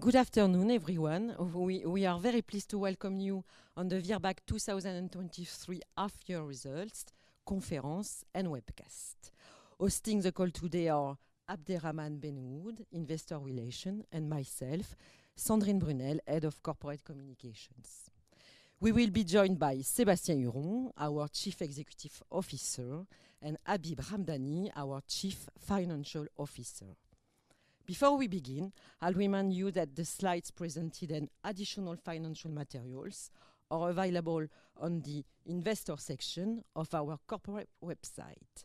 Good afternoon, everyone. We are very pleased to welcome you on the Virbac 2023 half-year results conference and webcast. Hosting the call today are Abderrahman Benouhoud, Investor Relations, and myself, Sandrine Brunel, Head of Corporate Communications. We will be joined by Sébastien Huron, our Chief Executive Officer, and Habib Ramdani, our Chief Financial Officer. Before we begin, I'll remind you that the slides presented and additional financial materials are available on the investor section of our corporate website.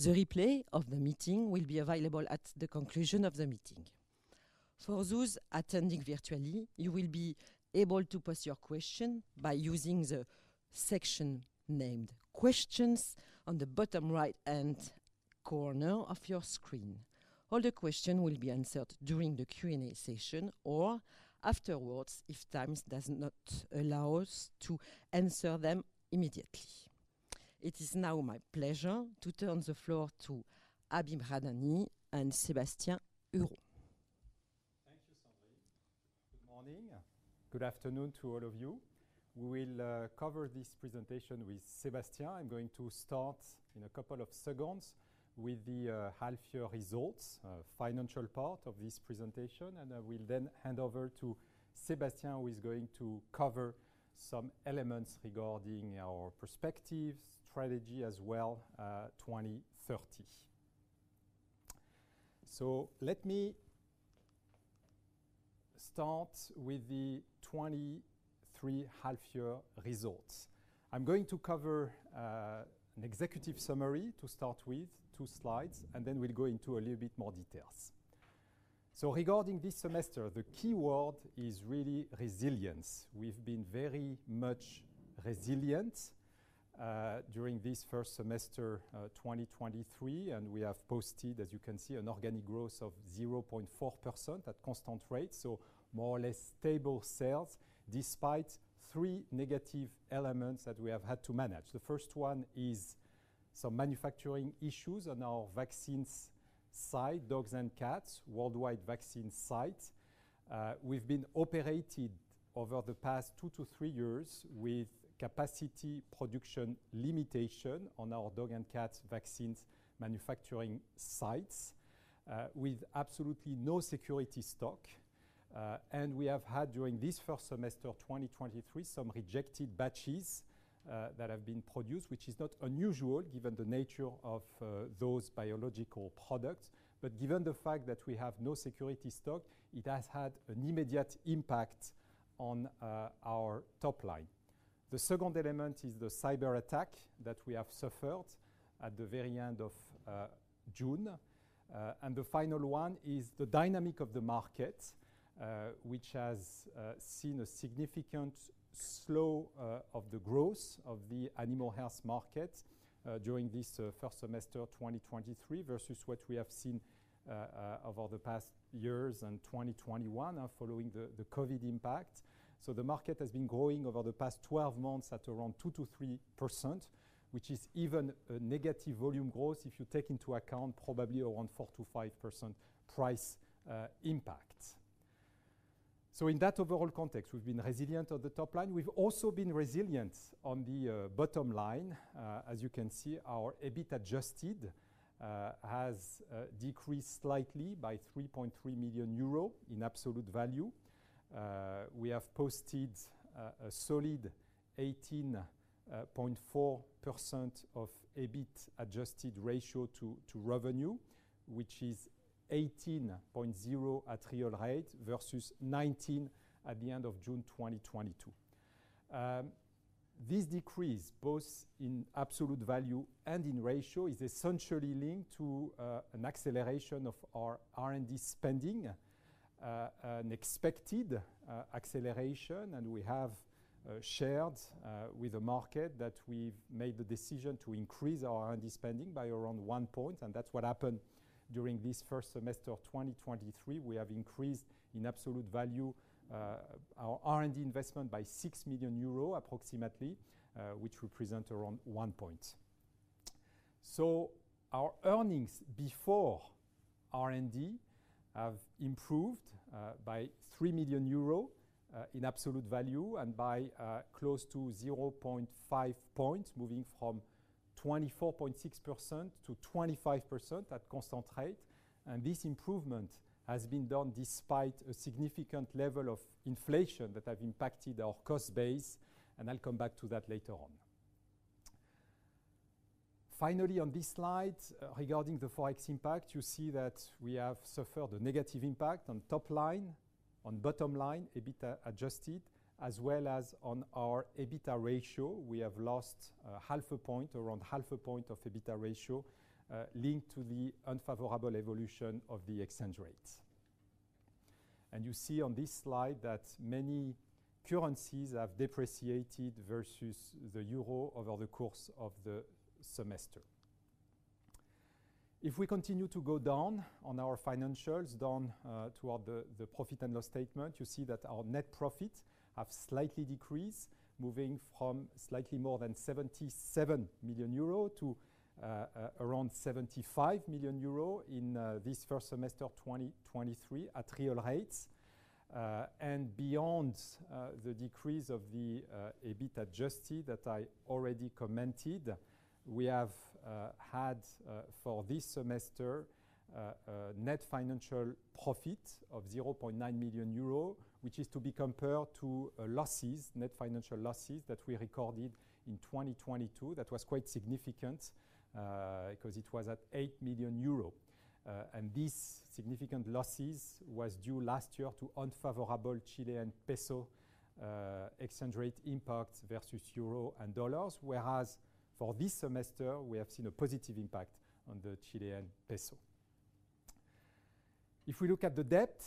The replay of the meeting will be available at the conclusion of the meeting. For those attending virtually, you will be able to post your question by using the section named "Questions" on the bottom right-hand corner of your screen. All the questions will be answered during the Q&A session or afterwards, if time does not allow us to answer them immediately. It is now my pleasure to turn the floor to Habib Ramdani and Sébastien Huron. Thank you, Sandrine. Good morning. Good afternoon to all of you. We will cover this presentation with Sébastien. I'm going to start in a couple of seconds with the half-year results, financial part of this presentation, and I will then hand over to Sébastien, who is going to cover some elements regarding our perspective, strategy as well, 2030. Let me start with the 2023 half-year results. I'm going to cover an executive summary to start with, two slides, and then we'll go into a little bit more details. Regarding this semester, the key word is really resilience. We've been very much resilient during this first semester, 2023, and we have posted, as you can see, an organic growth of 0.4% at constant rate, so more or less stable sales, despite three negative elements that we have had to manage. The first one is some manufacturing issues on our vaccines site, dogs and cats, worldwide vaccine sites. We've been operated over the past two-three years with capacity production limitation on our dog and cats vaccines manufacturing sites, with absolutely no security stock. And we have had, during this first semester of 2023, some rejected batches that have been produced, which is not unusual given the nature of those biological products. But given the fact that we have no security stock, it has had an immediate impact on our top line. The second element is the cyberattack that we have suffered at the very end of June. And the final one is the dynamic of the market, which has seen a significant slowdown of the growth of the animal health market during this first semester of 2023 versus what we have seen over the past years and 2021 following the COVID impact. So the market has been growing over the past 12 months at around 2%-3%, which is even a negative volume growth, if you take into account probably around 4%-5% price impact. So in that overall context, we've been resilient on the top line. We've also been resilient on the bottom line. As you can see, our EBIT adjusted has decreased slightly by 3.3 million euro in absolute value. We have posted a solid 18.4% of EBIT adjusted ratio to revenue, which is 18.0% at real rate versus 19% at the end of June 2022. This decrease, both in absolute value and in ratio, is essentially linked to an acceleration of our R&D spending, an expected acceleration, and we have shared with the market that we've made the decision to increase our R&D spending by around one point, and that's what happened during this first semester of 2023. We have increased, in absolute value, our R&D investment by 6 million euro, approximately, which represent around one point. So our earnings before R&D have improved, by 3 million euro, in absolute value, and by, close to 0.5 points, moving from 24.6% to 25% at constant rate. And this improvement has been done despite a significant level of inflation that have impacted our cost base, and I'll come back to that later on. Finally, on this slide, regarding the Forex impact, you see that we have suffered a negative impact on top line, on bottom line, EBITDA adjusted, as well as on our EBITDA ratio. We have lost, 0.5 point, around 0.5 point of EBITDA ratio, linked to the unfavorable evolution of the exchange rates. And you see on this slide that many currencies have depreciated versus the euro over the course of the semester. If we continue to go down on our financials, down toward the profit and loss statement, you see that our net profits have slightly decreased, moving from slightly more than 77 million euro to around 75 million euro in this first semester of 2023 at real rates. And beyond the decrease of the EBITDA adjusted that I already commented, we have had for this semester net financial profit of 0.9 million euro, which is to be compared to losses, net financial losses that we recorded in 2022. That was quite significant, 'cause it was at 8 million euro. And these significant losses was due last year to unfavorable Chilean peso exchange rate impact versus euro and dollars. Whereas for this semester, we have seen a positive impact on the Chilean peso. If we look at the debt,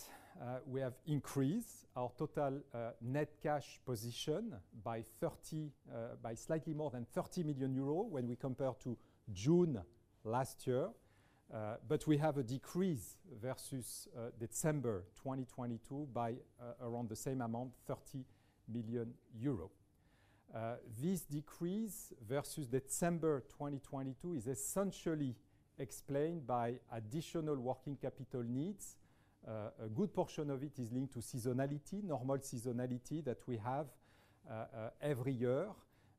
we have increased our total, net cash position by 30, by slightly more than 30 million euros when we compare to June last year. But we have a decrease versus December 2022, by around the same amount, 30 million euro. This decrease versus December 2022 is essentially explained by additional working capital needs. A good portion of it is linked to seasonality, normal seasonality that we have, every year.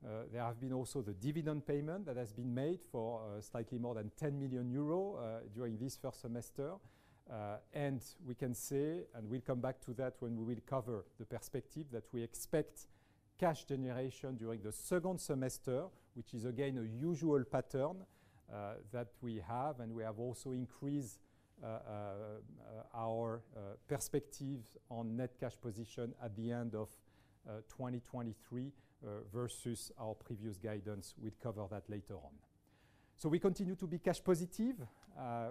There have been also the dividend payment that has been made for slightly more than 10 million euro during this first semester. We can say, and we'll come back to that when we will cover the perspective, that we expect cash generation during the second semester, which is again, a usual pattern that we have. We have also increased our perspective on net cash position at the end of 2023 versus our previous guidance. We'll cover that later on. So we continue to be cash positive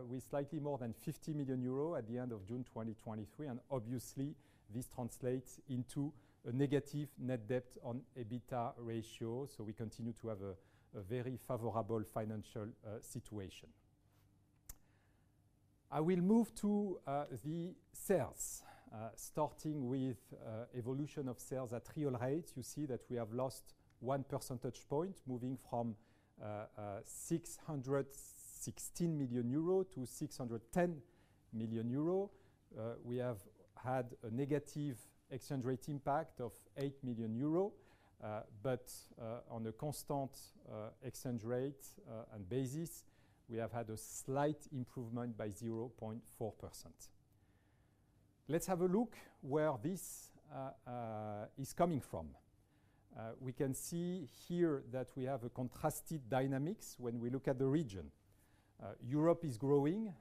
with slightly more than 50 million euros at the end of June 2023, and obviously, this translates into a negative net debt on EBITDA ratio. So we continue to have a very favorable financial situation. I will move to the sales starting with evolution of sales at real rate. You see that we have lost one percentage point, moving from 616 million-610 million euro. We have had a negative exchange rate impact of 8 million euro, but on a constant exchange rate and basis, we have had a slight improvement by 0.4%. Let's have a look where this is coming from. We can see here that we have a contrasted dynamics when we look at the region. Europe is growing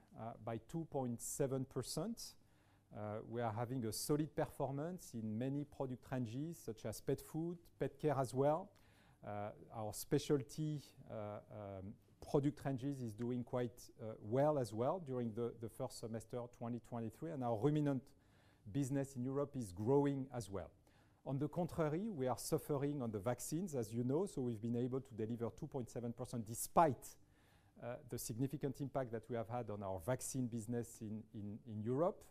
by 2.7%. We are having a solid performance in many product ranges, such as pet food, pet care as well. Our specialty product ranges is doing quite well as well during the first semester of 2023, and our ruminant business in Europe is growing as well. On the contrary, we are suffering on the vaccines, as you know, so we've been able to deliver 2.7%, despite the significant impact that we have had on our vaccine business in Europe.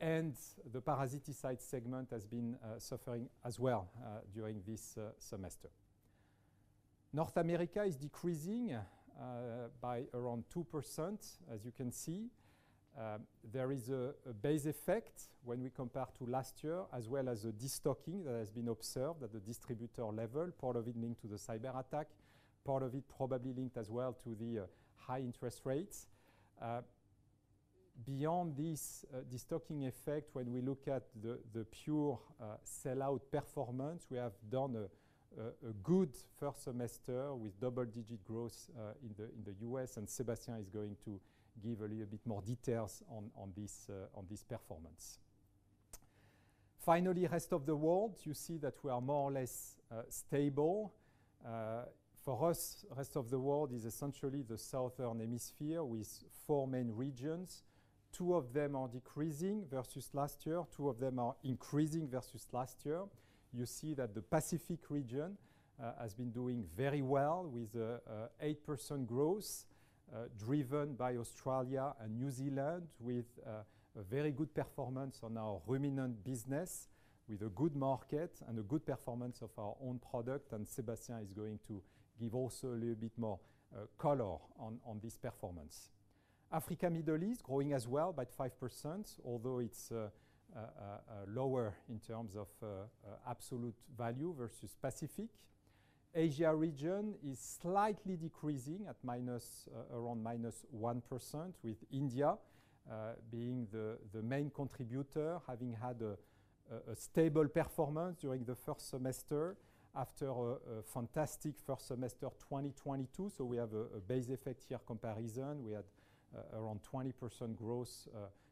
The parasiticide segment has been suffering as well during this semester. North America is decreasing by around 2%, as you can see. There is a base effect when we compare to last year, as well as a destocking that has been observed at the distributor level, part of it linked to the cyberattack, part of it probably linked as well to the high interest rates. Beyond this, destocking effect, when we look at the pure sellout performance, we have done a good first semester with double-digit growth in the U.S., and Sébastien is going to give a little bit more details on this performance. Finally, rest of the world, you see that we are more or less stable. For us, rest of the world is essentially the Southern Hemisphere with four main regions. Two of them are decreasing versus last year, two of them are increasing versus last year. You see that the Pacific region has been doing very well, with an 8% growth, driven by Australia and New Zealand, with a very good performance on our ruminant business, with a good market and a good performance of our own product. Sébastien is going to give also a little bit more color on this performance. Africa, Middle East, growing as well by 5%, although it's lower in terms of absolute value versus Pacific. Asia region is slightly decreasing at minus—around -1%, with India being the main contributor, having had a stable performance during the first semester after a fantastic first semester of 2022. So we have a base effect year comparison. We had around 20% growth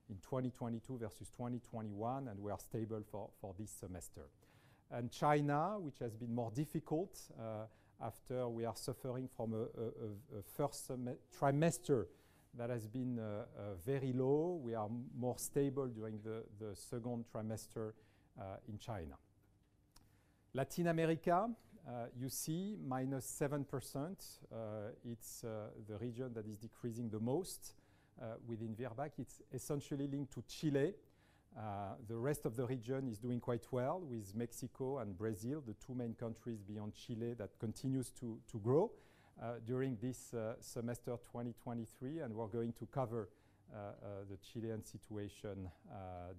in 2022 versus 2021, and we are stable for this semester. And China, which has been more difficult, after we are suffering from a first trimester that has been very low. We are more stable during the second trimester in China. Latin America, you see -7%. It's the region that is decreasing the most within Virbac. It's essentially linked to Chile. The rest of the region is doing quite well with Mexico and Brazil, the two main countries beyond Chile, that continues to grow during this semester, 2023. And we're going to cover the Chilean situation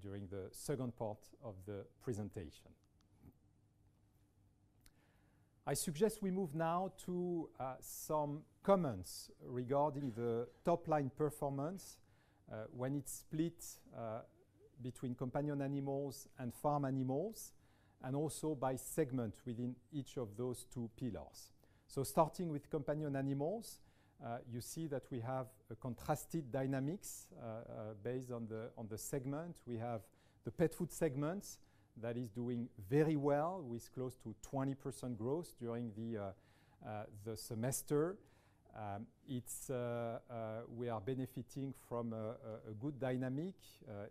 during the second part of the presentation... I suggest we move now to some comments regarding the top-line performance when it's split between companion animals and farm animals, and also by segment within each of those two pillars. So starting with companion animals, you see that we have a contrasted dynamics based on the segment. We have the pet food segment that is doing very well, with close to 20% growth during the semester. It's. We are benefiting from a good dynamic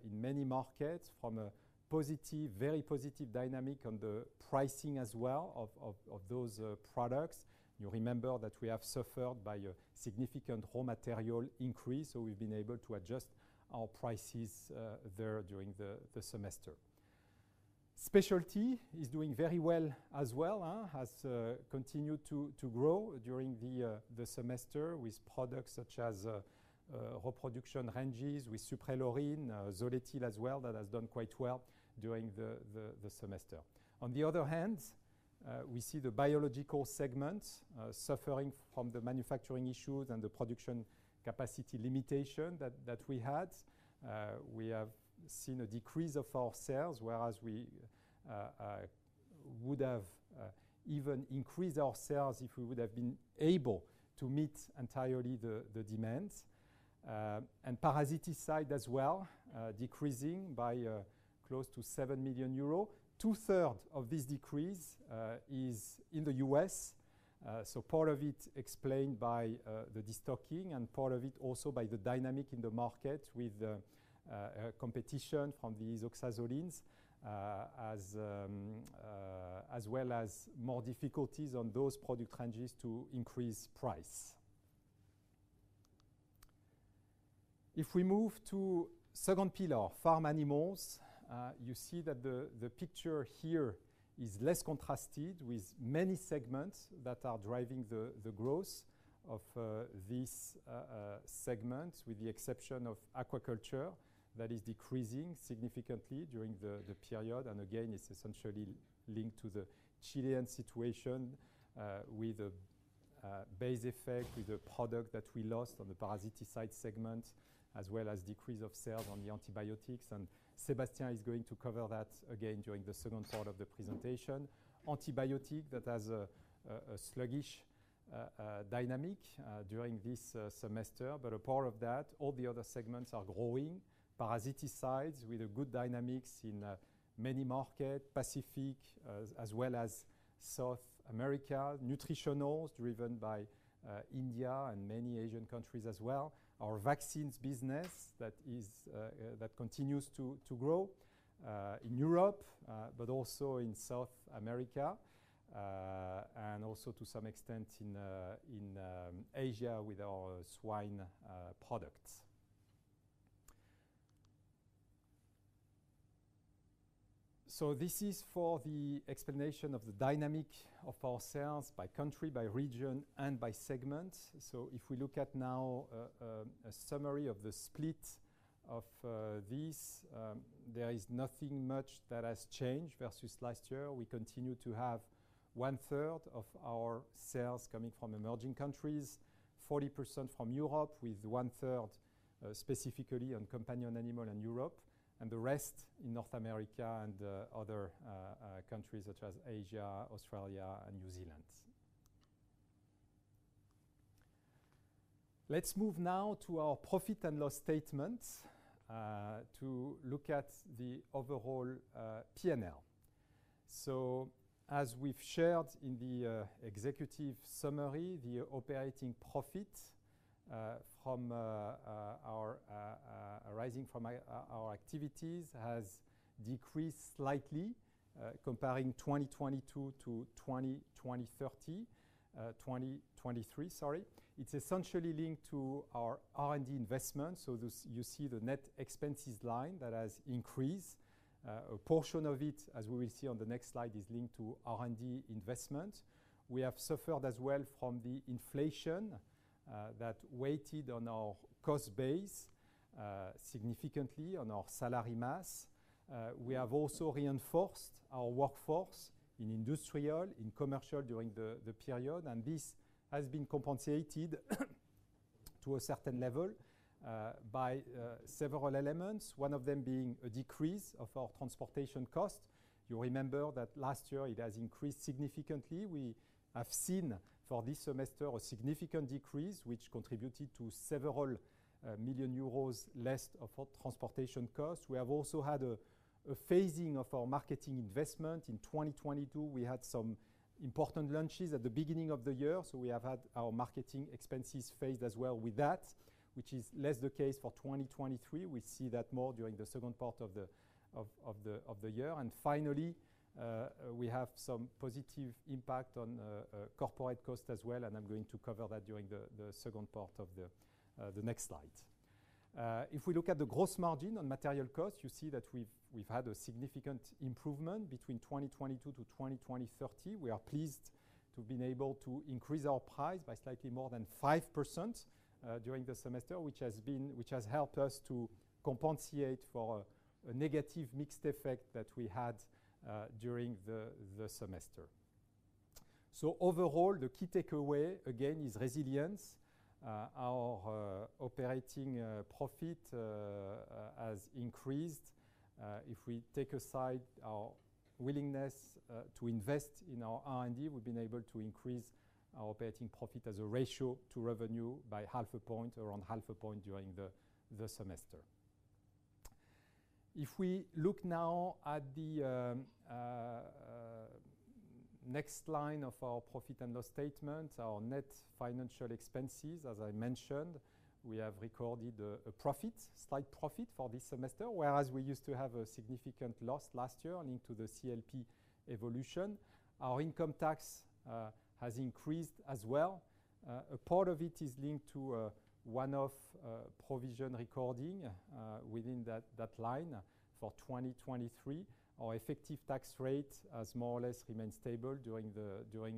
in many markets from a positive, very positive dynamic on the pricing as well of those products. You remember that we have suffered by a significant raw material increase, so we've been able to adjust our prices there during the semester. Specialty is doing very well as well, has continued to grow during the semester, with products such as reproduction ranges, with Suprelorin, Zoletil as well, that has done quite well during the semester. On the other hand, we see the biological segment suffering from the manufacturing issues and the production capacity limitation that we had. We have seen a decrease of our sales, whereas we would have even increased our sales if we would have been able to meet entirely the demand. And parasiticide as well, decreasing by close to 7 million euros. Two-thirds of this decrease is in the U.S. So part of it explained by the destocking and part of it also by the dynamic in the market with the competition from the isoxazolines, as well as more difficulties on those product ranges to increase price. If we move to second pillar, farm animals, you see that the picture here is less contrasted with many segments that are driving the growth of this segment, with the exception of aquaculture that is decreasing significantly during the period. It's essentially linked to the Chilean situation, with the base effect, with the product that we lost on the parasiticide segment, as well as decrease of sales on the antibiotics, and Sébastien is going to cover that again during the second part of the presentation. Antibiotic, that has a sluggish dynamic during this semester, but apart from that, all the other segments are growing. Parasiticides with a good dynamics in many markets, Pacific, as well as South America. Nutritionals, driven by India and many Asian countries as well. Our vaccines business, that continues to grow in Europe, but also in South America, and also to some extent in Asia with our swine products. So this is for the explanation of the dynamic of our sales by country, by region, and by segment. So if we look at now a summary of the split, there is nothing much that has changed versus last year. We continue to have one third of our sales coming from emerging countries, 40% from Europe, with one third specifically on companion animal in Europe, and the rest in North America and other countries such as Asia, Australia, and New Zealand. Let's move now to our profit and loss statement to look at the overall P&L. So as we've shared in the executive summary, the operating profit arising from our activities has decreased slightly comparing 2022 to 2023, sorry. It's essentially linked to our R&D investment. So this—you see the net expenses line that has increased. A portion of it, as we will see on the next slide, is linked to R&D investment. We have suffered as well from the inflation that weighed on our cost base significantly on our salary mass. We have also reinforced our workforce in industrial, in commercial during the period, and this has been compensated to a certain level by several elements, one of them being a decrease of our transportation cost. You remember that last year it has increased significantly. We have seen for this semester a significant decrease, which contributed to several million EUR less of our transportation costs. We have also had a phasing of our marketing investment. In 2022, we had some important launches at the beginning of the year, so we have had our marketing expenses phased as well with that, which is less the case for 2023. We see that more during the second part of the year. And finally, we have some positive impact on corporate costs as well, and I'm going to cover that during the second part of the next slide. If we look at the gross margin on material costs, you see that we've had a significant improvement between 2022 to 2023. We are pleased to have been able to increase our price by slightly more than 5% during the semester, which has helped us to compensate for a negative mix effect that we had during the semester. So overall, the key takeaway, again, is resilience. Our operating profit has increased. If we take aside our willingness to invest in our R&D, we've been able to increase our operating profit as a ratio to revenue by half a point, around half a point during the semester. If we look now at the next line of our profit and loss statement, our net financial expenses, as I mentioned, we have recorded a slight profit for this semester, whereas we used to have a significant loss last year linked to the CLP evolution. Our income tax has increased as well. A part of it is linked to one-off provision recording within that line for 2023. Our effective tax rate has more or less remained stable during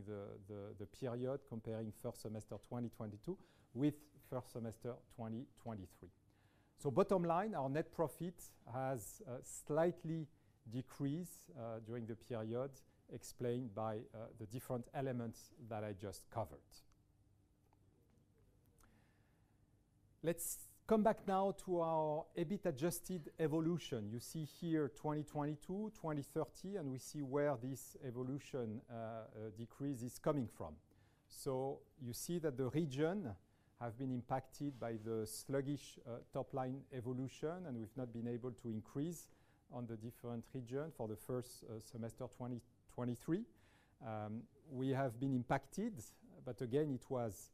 the period, comparing first semester 2022 with first semester 2023. So bottom line, our net profit has slightly decreased during the period, explained by the different elements that I just covered. Let's come back now to our EBIT adjusted evolution. You see here 2022, 2030, and we see where this evolution decrease is coming from. So you see that the region have been impacted by the sluggish top-line evolution, and we've not been able to increase on the different region for the first semester 2023. We have been impacted, but again, it was...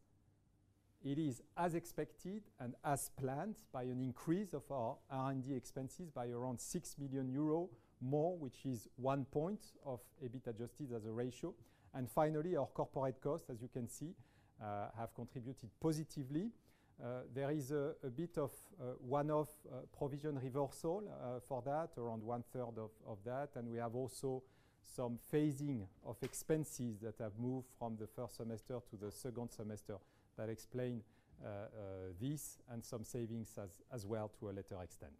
It is as expected and as planned by an increase of our R&D expenses by around 6 million euro more, which is one point of EBIT adjusted as a ratio. Finally, our corporate costs, as you can see, have contributed positively. There is a bit of one-off provision reversal for that, around 1/3 of that. And we have also some phasing of expenses that have moved from the first semester to the second semester that explain this, and some savings as well, to a lesser extent.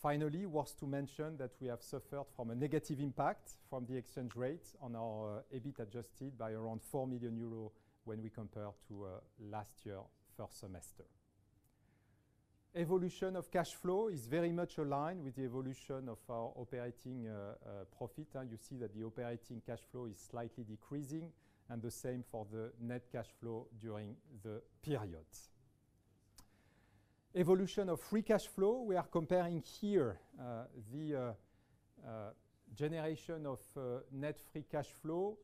Finally, worth to mention that we have suffered from a negative impact from the exchange rate on our EBIT adjusted by around 4 million euros when we compare to last year first semester. Evolution of cash flow is very much aligned with the evolution of our operating profit, and you see that the operating cash flow is slightly decreasing, and the same for the net cash flow during the period. Evolution of free cash flow, we are comparing here the generation of net free cash flow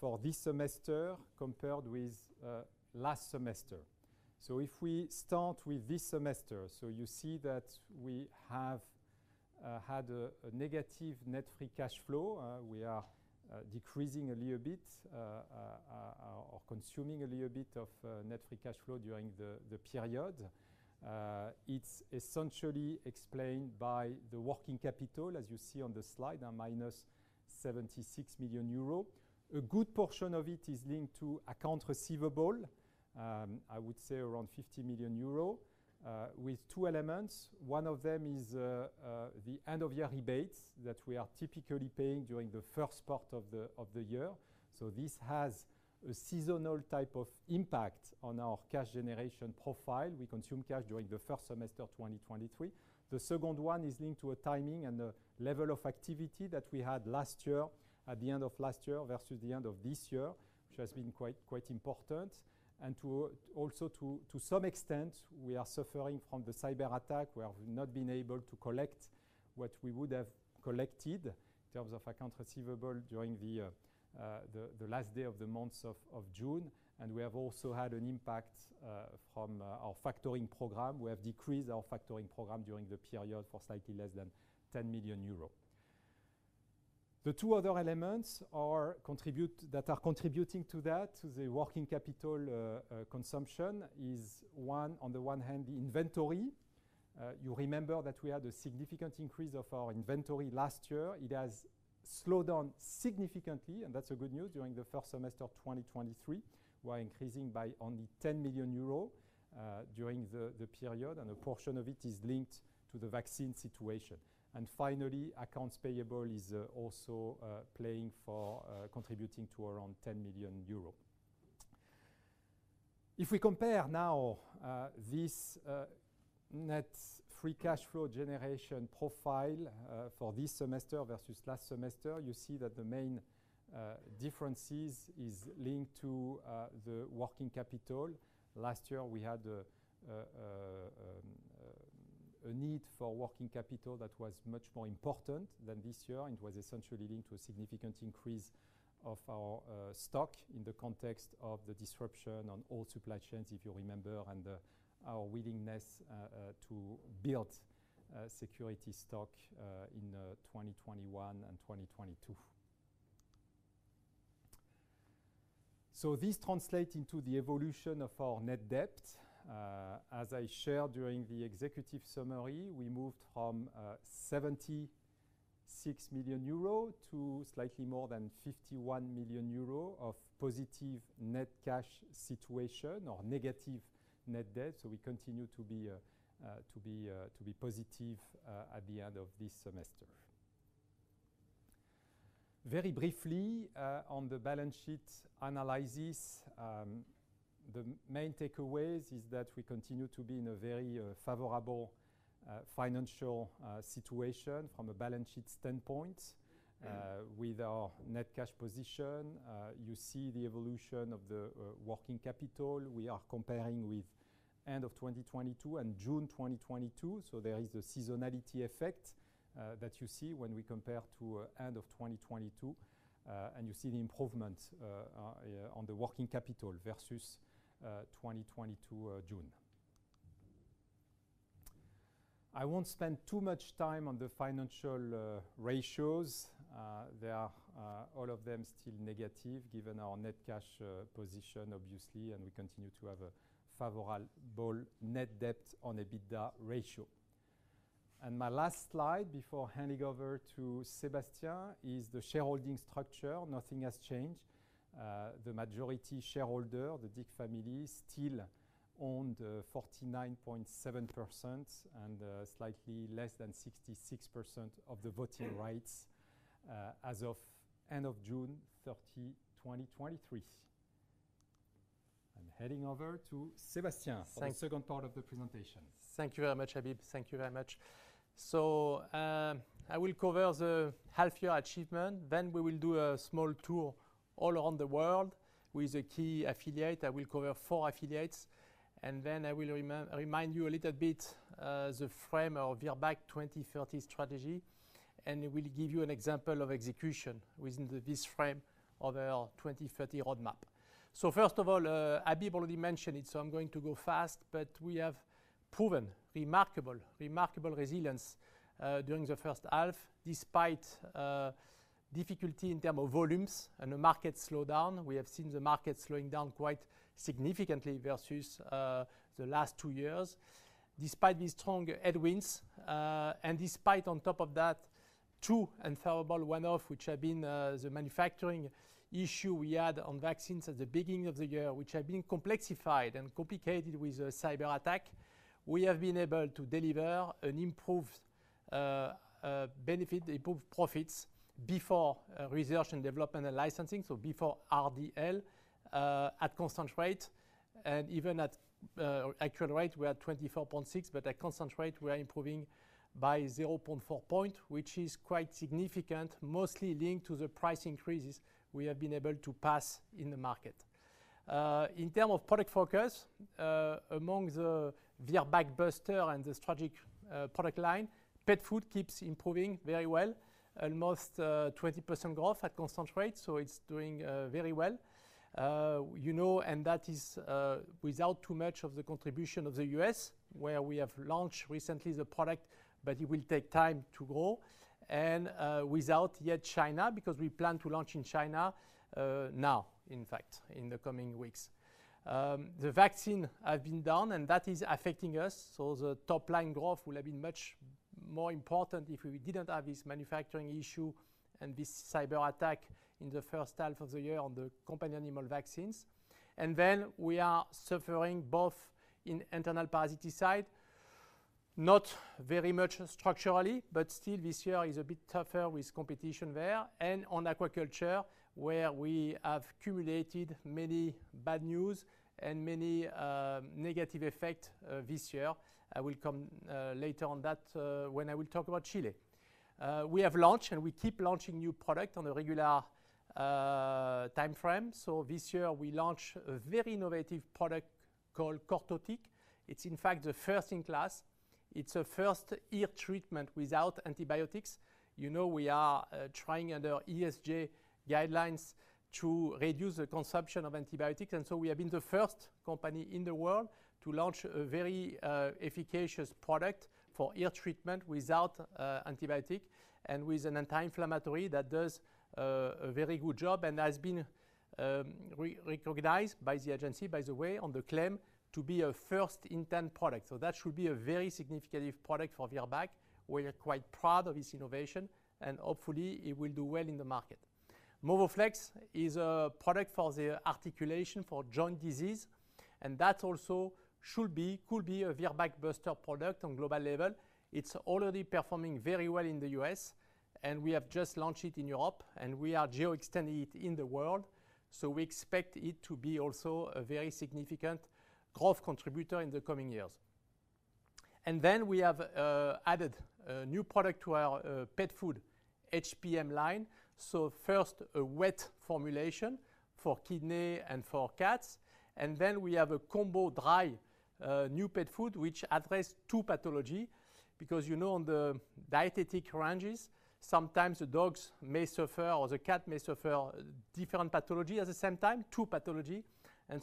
for this semester compared with last semester. So if we start with this semester, so you see that we have had a negative net free cash flow. We are decreasing a little bit or consuming a little bit of net free cash flow during the period. It's essentially explained by the working capital, as you see on the slide, a minus 76 million euro. A good portion of it is linked to accounts receivable. I would say around 50 million euro with two elements. One of them is the end-of-year rebates that we are typically paying during the first part of the year. So this has a seasonal type of impact on our cash generation profile. We consume cash during the first semester of 2023. The second one is linked to a timing and the level of activity that we had last year, at the end of last year, versus the end of this year, which has been quite important. To some extent, we are suffering from the cyberattack, where we've not been able to collect what we would have collected in terms of accounts receivable during the last day of the months of June. We have also had an impact from our factoring program. We have decreased our factoring program during the period for slightly less than 10 million euros. The two other elements that are contributing to the working capital consumption is, one, on the one hand, the inventory. You remember that we had a significant increase of our inventory last year. It has slowed down significantly, and that's good news, during the first semester of 2023, while increasing by only 10 million euros during the period, and a portion of it is linked to the vaccine situation. Finally, accounts payable is also contributing to around 10 million euro. If we compare now, this net free cash flow generation profile for this semester versus last semester, you see that the main differences is linked to the working capital. Last year, we had a need for working capital that was much more important than this year. It was essentially linked to a significant increase of our stock in the context of the disruption on all supply chains, if you remember, and our willingness to build security stock in 2021 and 2022. So this translate into the evolution of our net debt. As I shared during the executive summary, we moved from 76 million euro to slightly more than 51 million euro of positive net cash situation or negative net debt. So we continue to be positive at the end of this semester. Very briefly on the balance sheet analysis, the main takeaways is that we continue to be in a very favorable financial situation from a balance sheet standpoint with our net cash position. You see the evolution of the working capital. We are comparing with end of 2022 and June 2022, so there is a seasonality effect that you see when we compare to end of 2022, and you see the improvement yeah on the working capital versus 2022 June. I won't spend too much time on the financial ratios. They are all of them still negative, given our net cash position, obviously, and we continue to have a favorable net debt on EBITDA ratio. And my last slide before handing over to Sébastien is the shareholding structure. Nothing has changed. The majority shareholder, the founding family, still own the 49.7% and slightly less than 66% of the voting rights, as of end of June 30, 2023.I'm handing over to Sébastien. Thank- for the second part of the presentation. Thank you very much, Habib. Thank you very much. I will cover the half-year achievement, then we will do a small tour all around the world with the key affiliate. I will cover four affiliates, and then I will remind you a little bit the frame of Virbac 2030 strategy, and we'll give you an example of execution within this frame of our 2030 roadmap. First of all, Habib already mentioned it, so I'm going to go fast, but we have proven remarkable, remarkable resilience during the first half, despite difficulty in terms of volumes and the market slowdown. We have seen the market slowing down quite significantly versus the last two years. Despite these strong headwinds, and despite, on top of that, two unfavorable one-off, which have been the manufacturing issue we had on vaccines at the beginning of the year, which have been complexified and complicated with a cyberattack. We have been able to deliver an improved benefit, improved profits before research and development and licensing, so before RDL, at constant rate, and even at actual rate, we're at 24.6, but at constant rate, we are improving by 0.4 point, which is quite significant, mostly linked to the price increases we have been able to pass in the market. In term of product focus, among the Virbac blockbusters and the strategic product line, pet food keeps improving very well, almost 20% growth at constant rate, so it's doing very well. You know, and that is, without too much of the contribution of the U.S., where we have launched recently the product, but it will take time to grow, and without yet China, because we plan to launch in China, now, in fact, in the coming weeks. The vaccine have been down, and that is affecting us, so the top line growth would have been much more important if we didn't have this manufacturing issue and this cyberattack in the first half of the year on the companion animal vaccines. And then we are suffering both in internal parasiticide, not very much structurally, but still this year is a bit tougher with competition there, and on aquaculture, where we have cumulated many bad news and many negative effect this year. I will come later on that when I will talk about Chile. We have launched, and we keep launching new product on a regular, timeframe. So this year, we launched a very innovative product called Cortotic. It's in fact the first in class. It's a first ear treatment without antibiotics. You know, we are, trying under ESG guidelines to reduce the consumption of antibiotics, and so we have been the first company in the world to launch a very, efficacious product for ear treatment without, antibiotic and with an anti-inflammatory that does, a very good job and has been, re-recognized by the agency, by the way, on the claim to be a first intent product. So that should be a very significant product for Virbac. We are quite proud of this innovation, and hopefully, it will do well in the market. Movoflex is a product for the articulation for joint disease, and that also should be, could be a Virbac blockbuster product on global level. It's already performing very well in the U.S., and we have just launched it in Europe, and we are geo-extending it in the world. So we expect it to be also a very significant growth contributor in the coming years. And then we have added a new product to our pet food HPM line. So first, a wet formulation for kidney and for cats, and then we have a combo dry new pet food, which address two pathology, because, you know, on the dietetic ranges, sometimes the dogs may suffer or the cat may suffer different pathology at the same time, two pathology.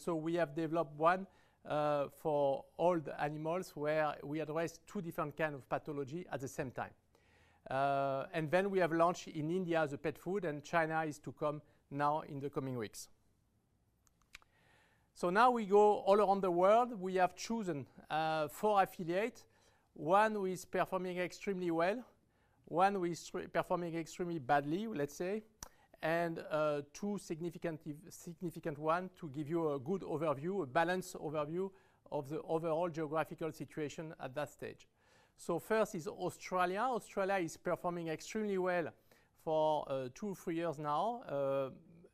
We have developed one for all the animals where we address two different kind of pathology at the same time. And then we have launched in India the pet food, and China is to come now in the coming weeks. Now we go all around the world. We have chosen four affiliates, one who is performing extremely well, one who is performing extremely badly, let's say, and two significant ones to give you a good overview, a balanced overview of the overall geographical situation at that stage. First is Australia. Australia is performing extremely well for two, three years now,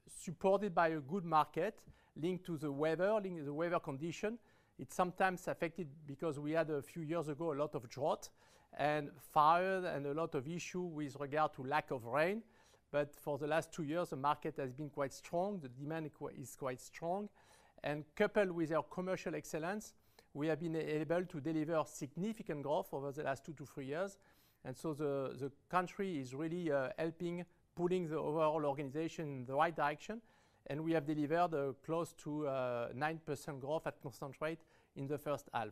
supported by a good market, linked to the weather, linked to the weather condition. It's sometimes affected because we had, a few years ago, a lot of drought, and fire, and a lot of issue with regard to lack of rain. But for the last two years, the market has been quite strong. The demand is quite strong. And coupled with our commercial excellence, we have been able to deliver significant growth over the last two to three years. And so the country is really, helping, pulling the overall organization in the right direction, and we have delivered, close to, 9% growth at constant rate in the first half.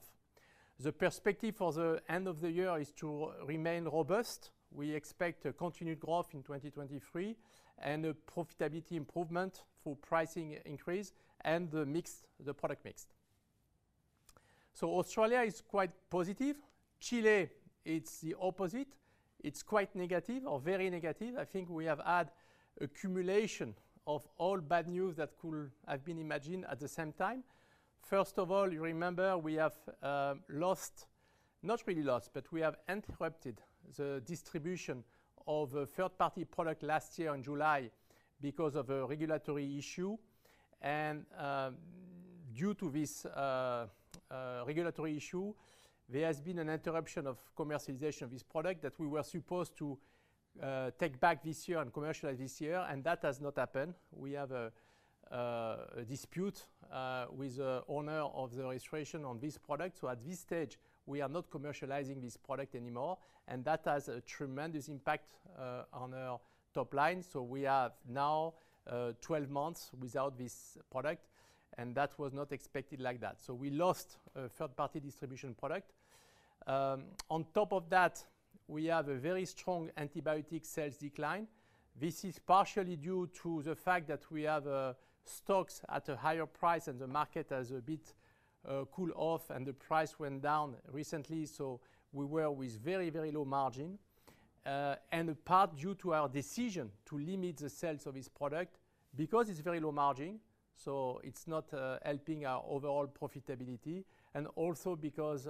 The perspective for the end of the year is to remain robust. We expect a continued growth in 2023, and a profitability improvement through pricing increase and the mix, the product mix. So Australia is quite positive. Chile, it's the opposite. It's quite negative or very negative. I think we have had accumulation of all bad news that could have been imagined at the same time. First of all, you remember we have lost, not really lost, but we have interrupted the distribution of a third-party product last year in July because of a regulatory issue. Due to this regulatory issue, there has been an interruption of commercialization of this product that we were supposed to take back this year and commercialize this year, and that has not happened. We have a dispute with the owner of the registration on this product. So at this stage, we are not commercializing this product anymore, and that has a tremendous impact on our top line. So we have now 12 months without this product, and that was not expected like that. So we lost a third-party distribution product. On top of that, we have a very strong antibiotic sales decline. This is partially due to the fact that we have stocks at a higher price, and the market has a bit cool off, and the price went down recently, so we were with very, very low margin. In part due to our decision to limit the sales of this product because it's very low margin, so it's not helping our overall profitability, and also because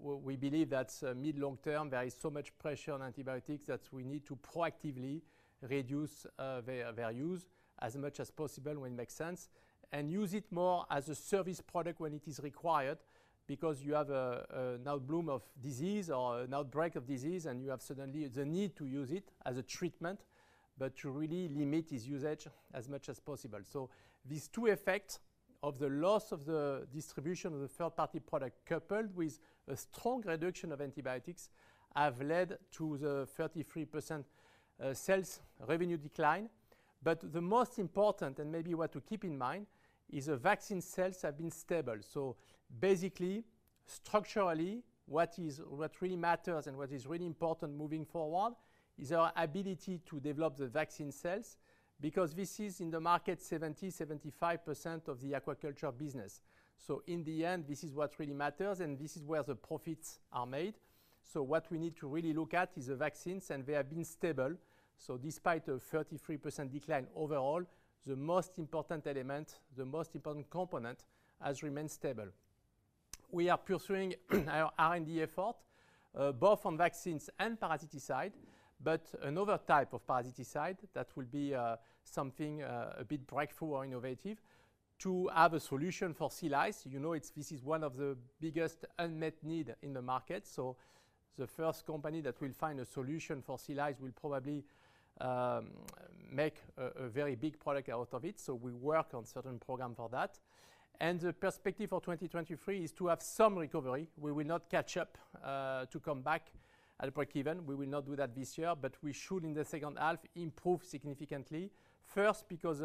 we believe that mid-long term, there is so much pressure on antibiotics that we need to proactively reduce their use as much as possible when it makes sense, and use it more as a service product when it is required. Because you have a now bloom of disease or an outbreak of disease, and you have suddenly the need to use it as a treatment, but to really limit its usage as much as possible. So these two effects of the loss of the distribution of the third-party product, coupled with a strong reduction of antibiotics, have led to the 33% sales revenue decline. But the most important, and maybe what to keep in mind, is the vaccine sales have been stable. So basically, structurally, what is—what really matters and what is really important moving forward, is our ability to develop the vaccine sales, because this is in the market 70%-75% of the aquaculture business. So in the end, this is what really matters, and this is where the profits are made. What we need to really look at is the vaccines, and they have been stable. Despite a 33% decline overall, the most important element, the most important component, has remained stable. We are pursuing our R&D effort both on vaccines and parasiticide, but another type of parasiticide that will be something a bit breakthrough or innovative, to have a solution for sea lice. You know, it's this is one of the biggest unmet need in the market. So the first company that will find a solution for sea lice will probably make a very big product out of it. So we work on certain program for that. And the perspective for 2023 is to have some recovery. We will not catch up to come back at break-even. We will not do that this year, but we should, in the second half, improve significantly. First, because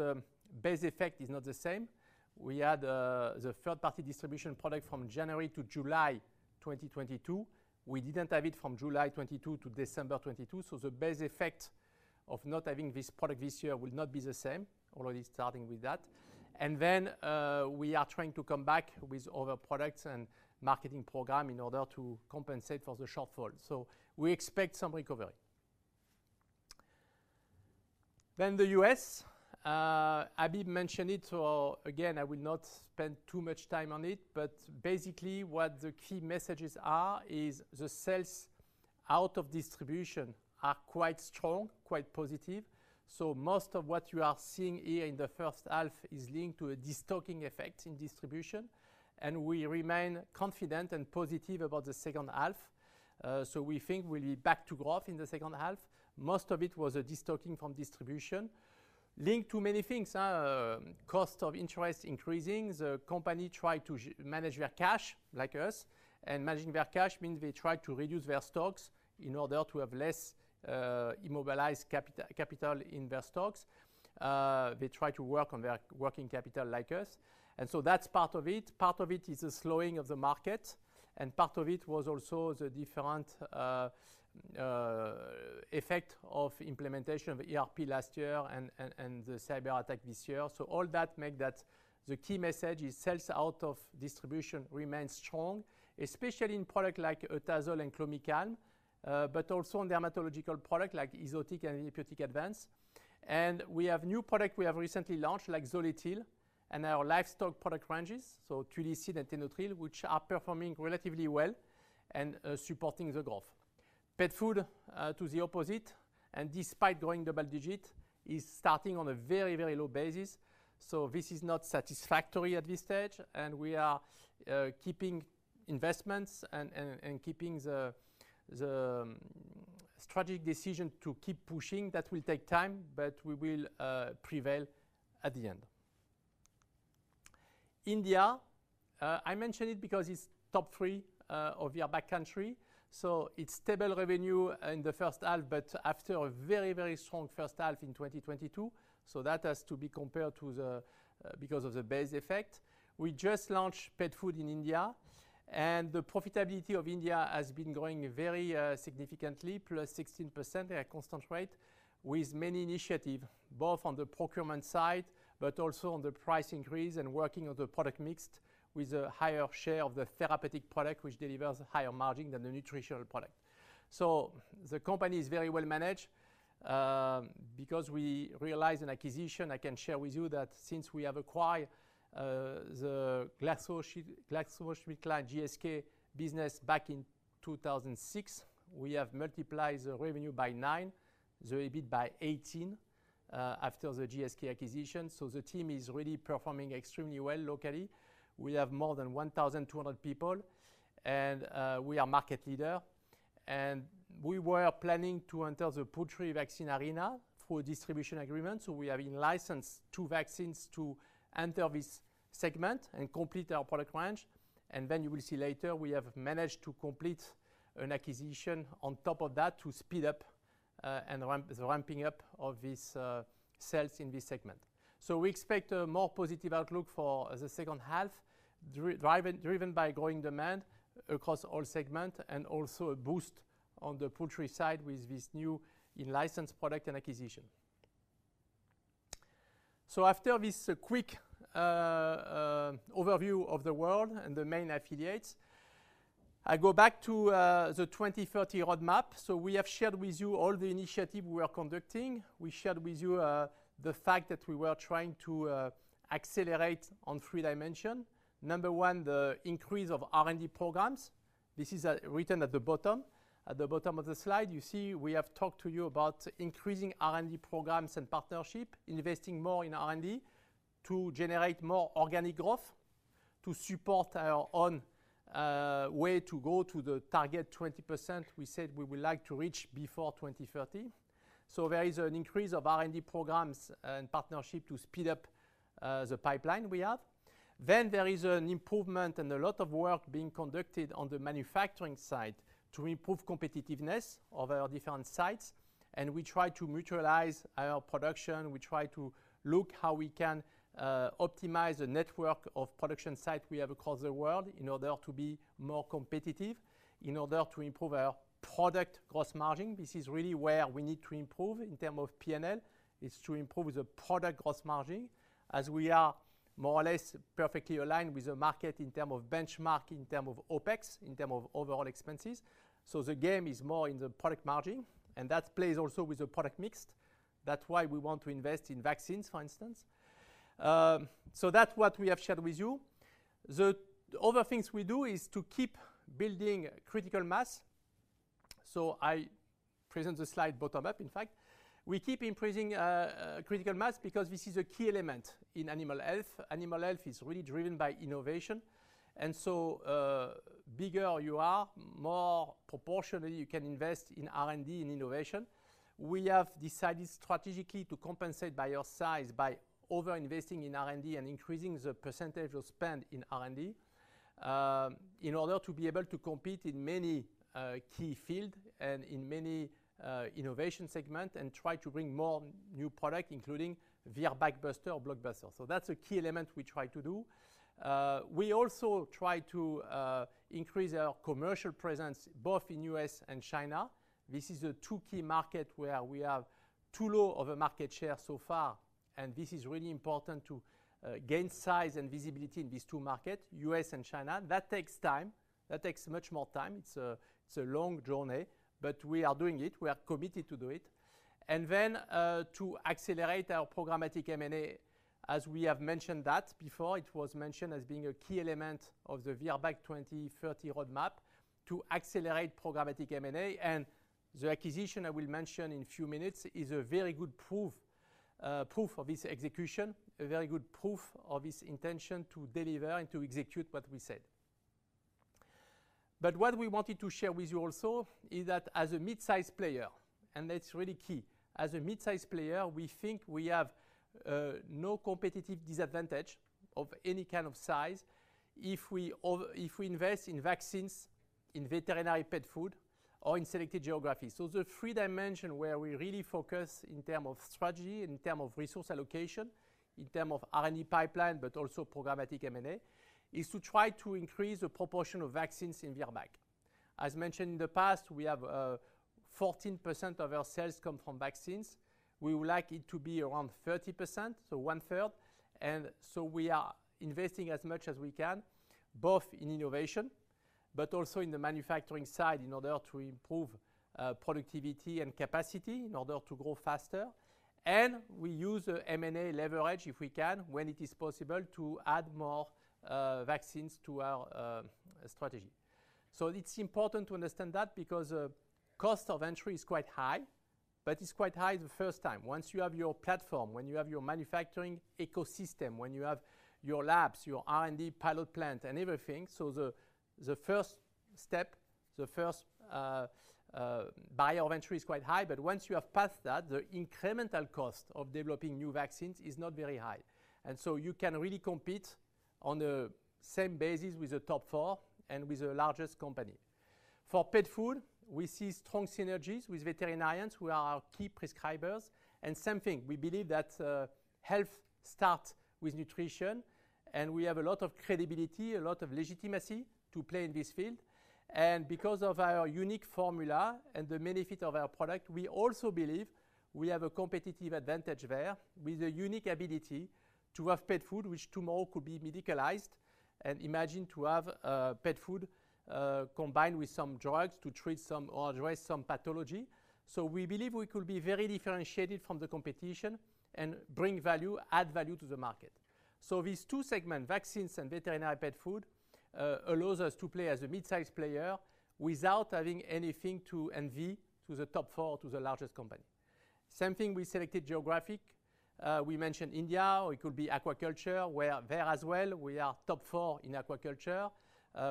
base effect is not the same. We had the third-party distribution product from January to July 2022. We didn't have it from July 2022 to December 2022, so the base effect of not having this product this year will not be the same, already starting with that. And then, we are trying to come back with other products and marketing program in order to compensate for the shortfall. So we expect some recovery. Then the U.S., Habib mentioned it, so again, I will not spend too much time on it, but basically what the key messages are is the sales out of distribution are quite strong, quite positive. So most of what you are seeing here in the first half is linked to a de-stocking effect in distribution, and we remain confident and positive about the second half. So we think we'll be back to growth in the second half. Most of it was a de-stocking from distribution. Linked to many things, cost of interest increasing, the company tried to manage their cash, like us, and managing their cash means they tried to reduce their stocks in order to have less, immobilized capital in their stocks. They try to work on their working capital like us, and so that's part of it. Part of it is the slowing of the market, and part of it was also the different effect of implementation of ERP last year and the cyberattack this year. So all that make that the key message is sales out of distribution remains strong, especially in product like Itrafungol and Clomicalm, but also in dermatological product like Easotic and Epi-Otic Advanced. And we have new product we have recently launched, like Zoletil, and our livestock product ranges, so Tulissin and Tenotryl, which are performing relatively well and supporting the growth... Pet food, to the opposite, and despite growing double-digit, is starting on a very, very low basis, so this is not satisfactory at this stage, and we are keeping investments and keeping the strategic decision to keep pushing. That will take time, but we will prevail at the end. India, I mention it because it's top three of Virbac country. So it's stable revenue in the first half, but after a very, very strong first half in 2022, so that has to be compared to the, because of the base effect. We just launched pet food in India, and the profitability of India has been growing very, significantly, +16% at a constant rate, with many initiative, both on the procurement side, but also on the price increase and working on the product mixed with a higher share of the therapeutic product, which delivers higher margin than the nutritional product. So the company is very well managed, because we realized in acquisition, I can share with you that since we have acquired, the GlaxoSmithKline, GSK business back in 2006, we have multiplied the revenue by nine, the EBIT by 18, after the GSK acquisition. The team is really performing extremely well locally. We have more than 1,200 people, and we are market leader. We were planning to enter the poultry vaccine arena through a distribution agreement, so we have in-licensed two vaccines to enter this segment and complete our product range. You will see later, we have managed to complete an acquisition on top of that to speed up and ramp the ramping up of this sales in this segment. We expect a more positive outlook for the second half, driven by growing demand across all segment and also a boost on the poultry side with this new in-licensed product and acquisition. After this quick overview of the world and the main affiliates, I go back to the 2030 roadmap. So we have shared with you all the initiative we are conducting. We shared with you, the fact that we were trying to, accelerate on three dimension. Number one, the increase of R&D programs. This is, written at the bottom. At the bottom of the slide, you see we have talked to you about increasing R&D programs and partnership, investing more in R&D to generate more organic growth, to support our own, way to go to the target 20% we said we would like to reach before 2030. So there is an increase of R&D programs and partnership to speed up, the pipeline we have. Then there is an improvement and a lot of work being conducted on the manufacturing side to improve competitiveness of our different sites, and we try to mutualize our production. We try to look how we can optimize the network of production site we have across the world in order to be more competitive, in order to improve our product gross margin. This is really where we need to improve in term of P&L, is to improve the product gross margin, as we are more or less perfectly aligned with the market in term of benchmark, in term of OpEx, in term of overall expenses. So the game is more in the product margin, and that plays also with the product mix. That's why we want to invest in vaccines, for instance. So that's what we have shared with you. The other things we do is to keep building critical mass. So I present the slide bottom up, in fact. We keep increasing critical mass because this is a key element in animal health. Animal health is really driven by innovation, and so, bigger you are, more proportionally you can invest in R&D and innovation. We have decided strategically to compensate by our size, by over-investing in R&D and increasing the percentage of spend in R&D, in order to be able to compete in many, key field and in many, innovation segment, and try to bring more new product, including Virbac blockbuster or blockbuster. So that's a key element we try to do. We also try to, increase our commercial presence, both in U.S. and China. This is a two key market where we have too low of a market share so far, and this is really important to, gain size and visibility in these two market, U.S. and China. That takes time. That takes much more time. It's a long journey, but we are doing it. We are committed to do it. And then, to accelerate our programmatic M&A, as we have mentioned that before, it was mentioned as being a key element of the Virbac 2030 roadmap to accelerate programmatic M&A, and the acquisition I will mention in a few minutes is a very good proof, proof of this execution, a very good proof of this intention to deliver and to execute what we said. But what we wanted to share with you also is that as a mid-size player, and that's really key, as a mid-size player, we think we have no competitive disadvantage of any kind of size if we invest in vaccines, in veterinary pet food, or in selected geographies. So the three dimension where we really focus in term of strategy, in term of resource allocation, in term of R&D pipeline, but also programmatic M&A, is to try to increase the proportion of vaccines in Virbac. As mentioned in the past, we have 14% of our sales come from vaccines. We would like it to be around 30%, so one third, and so we are investing as much as we can, both in innovation, but also in the manufacturing side, in order to improve productivity and capacity, in order to grow faster. And we use the M&A leverage, if we can, when it is possible, to add more vaccines to our strategy. So it's important to understand that because cost of entry is quite high, but it's quite high the first time. Once you have your platform, when you have your manufacturing ecosystem, when you have your labs, your R&D pilot plant, and everything. So the first step, the first barrier of entry is quite high, but once you have passed that, the incremental cost of developing new vaccines is not very high. And so you can really compete on the same basis with the top four and with the largest company. For pet food, we see strong synergies with veterinarians, who are our key prescribers. And same thing, we believe that health starts with nutrition, and we have a lot of credibility, a lot of legitimacy to play in this field. And because of our unique formula and the benefit of our product, we also believe we have a competitive advantage there, with a unique ability to have pet food, which tomorrow could be medicalized. Imagine to have pet food combined with some drugs to treat some or address some pathology. So we believe we could be very differentiated from the competition and bring value, add value to the market. So these two segments, vaccines and veterinary pet food, allows us to play as a mid-size player without having anything to envy to the top four, to the largest company. Same thing, we selected geographic. We mentioned India, or it could be aquaculture, where there as well, we are top four in aquaculture.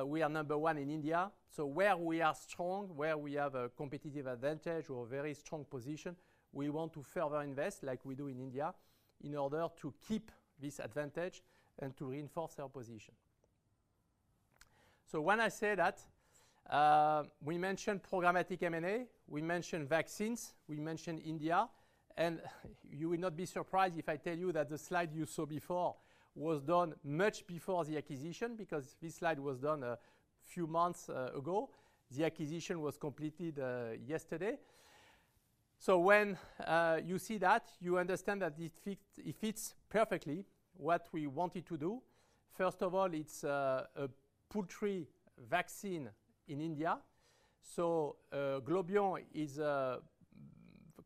We are number one in India. So where we are strong, where we have a competitive advantage or a very strong position, we want to further invest, like we do in India, in order to keep this advantage and to reinforce our position. So when I say that, we mentioned programmatic M&A, we mentioned vaccines, we mentioned India, and you will not be surprised if I tell you that the slide you saw before was done much before the acquisition, because this slide was done a few months ago. The acquisition was completed yesterday. So when you see that, you understand that it fit, it fits perfectly what we wanted to do. First of all, it's a poultry vaccine in India. So, Globion is a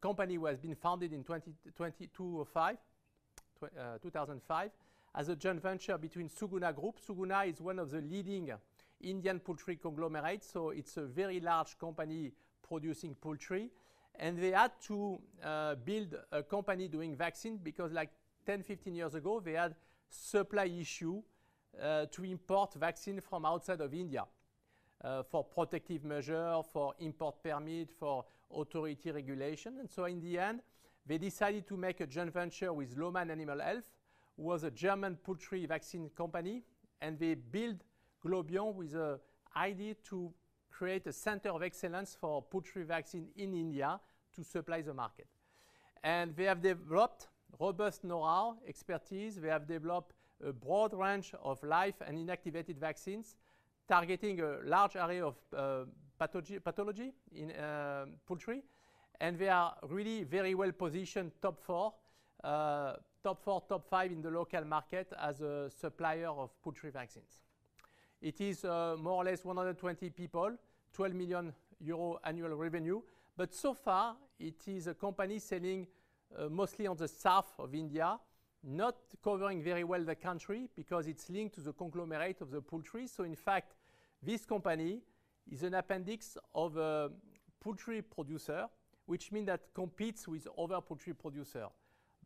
company who has been founded in 2005, as a joint venture between Suguna Group. Suguna is one of the leading Indian poultry conglomerates, so it's a very large company producing poultry. They had to build a company doing vaccine because, like, 10, 15 years ago, they had supply issue to import vaccine from outside of India for protective measure, for import permit, for authority regulation. And so in the end, they decided to make a joint venture with Lohmann Animal Health, who was a German poultry vaccine company, and they build Globion with a idea to create a center of excellence for poultry vaccine in India to supply the market. And they have developed robust know-how, expertise. They have developed a broad range of live and inactivated vaccines, targeting a large array of pathology in poultry. And they are really very well-positioned, top four, top four, top five in the local market as a supplier of poultry vaccines. It is more or less 120 people, 12 million euro annual revenue. But so far, it is a company selling mostly on the south of India, not covering very well the country because it's linked to the conglomerate of the poultry. So in fact, this company is an appendix of a poultry producer, which mean that competes with other poultry producer.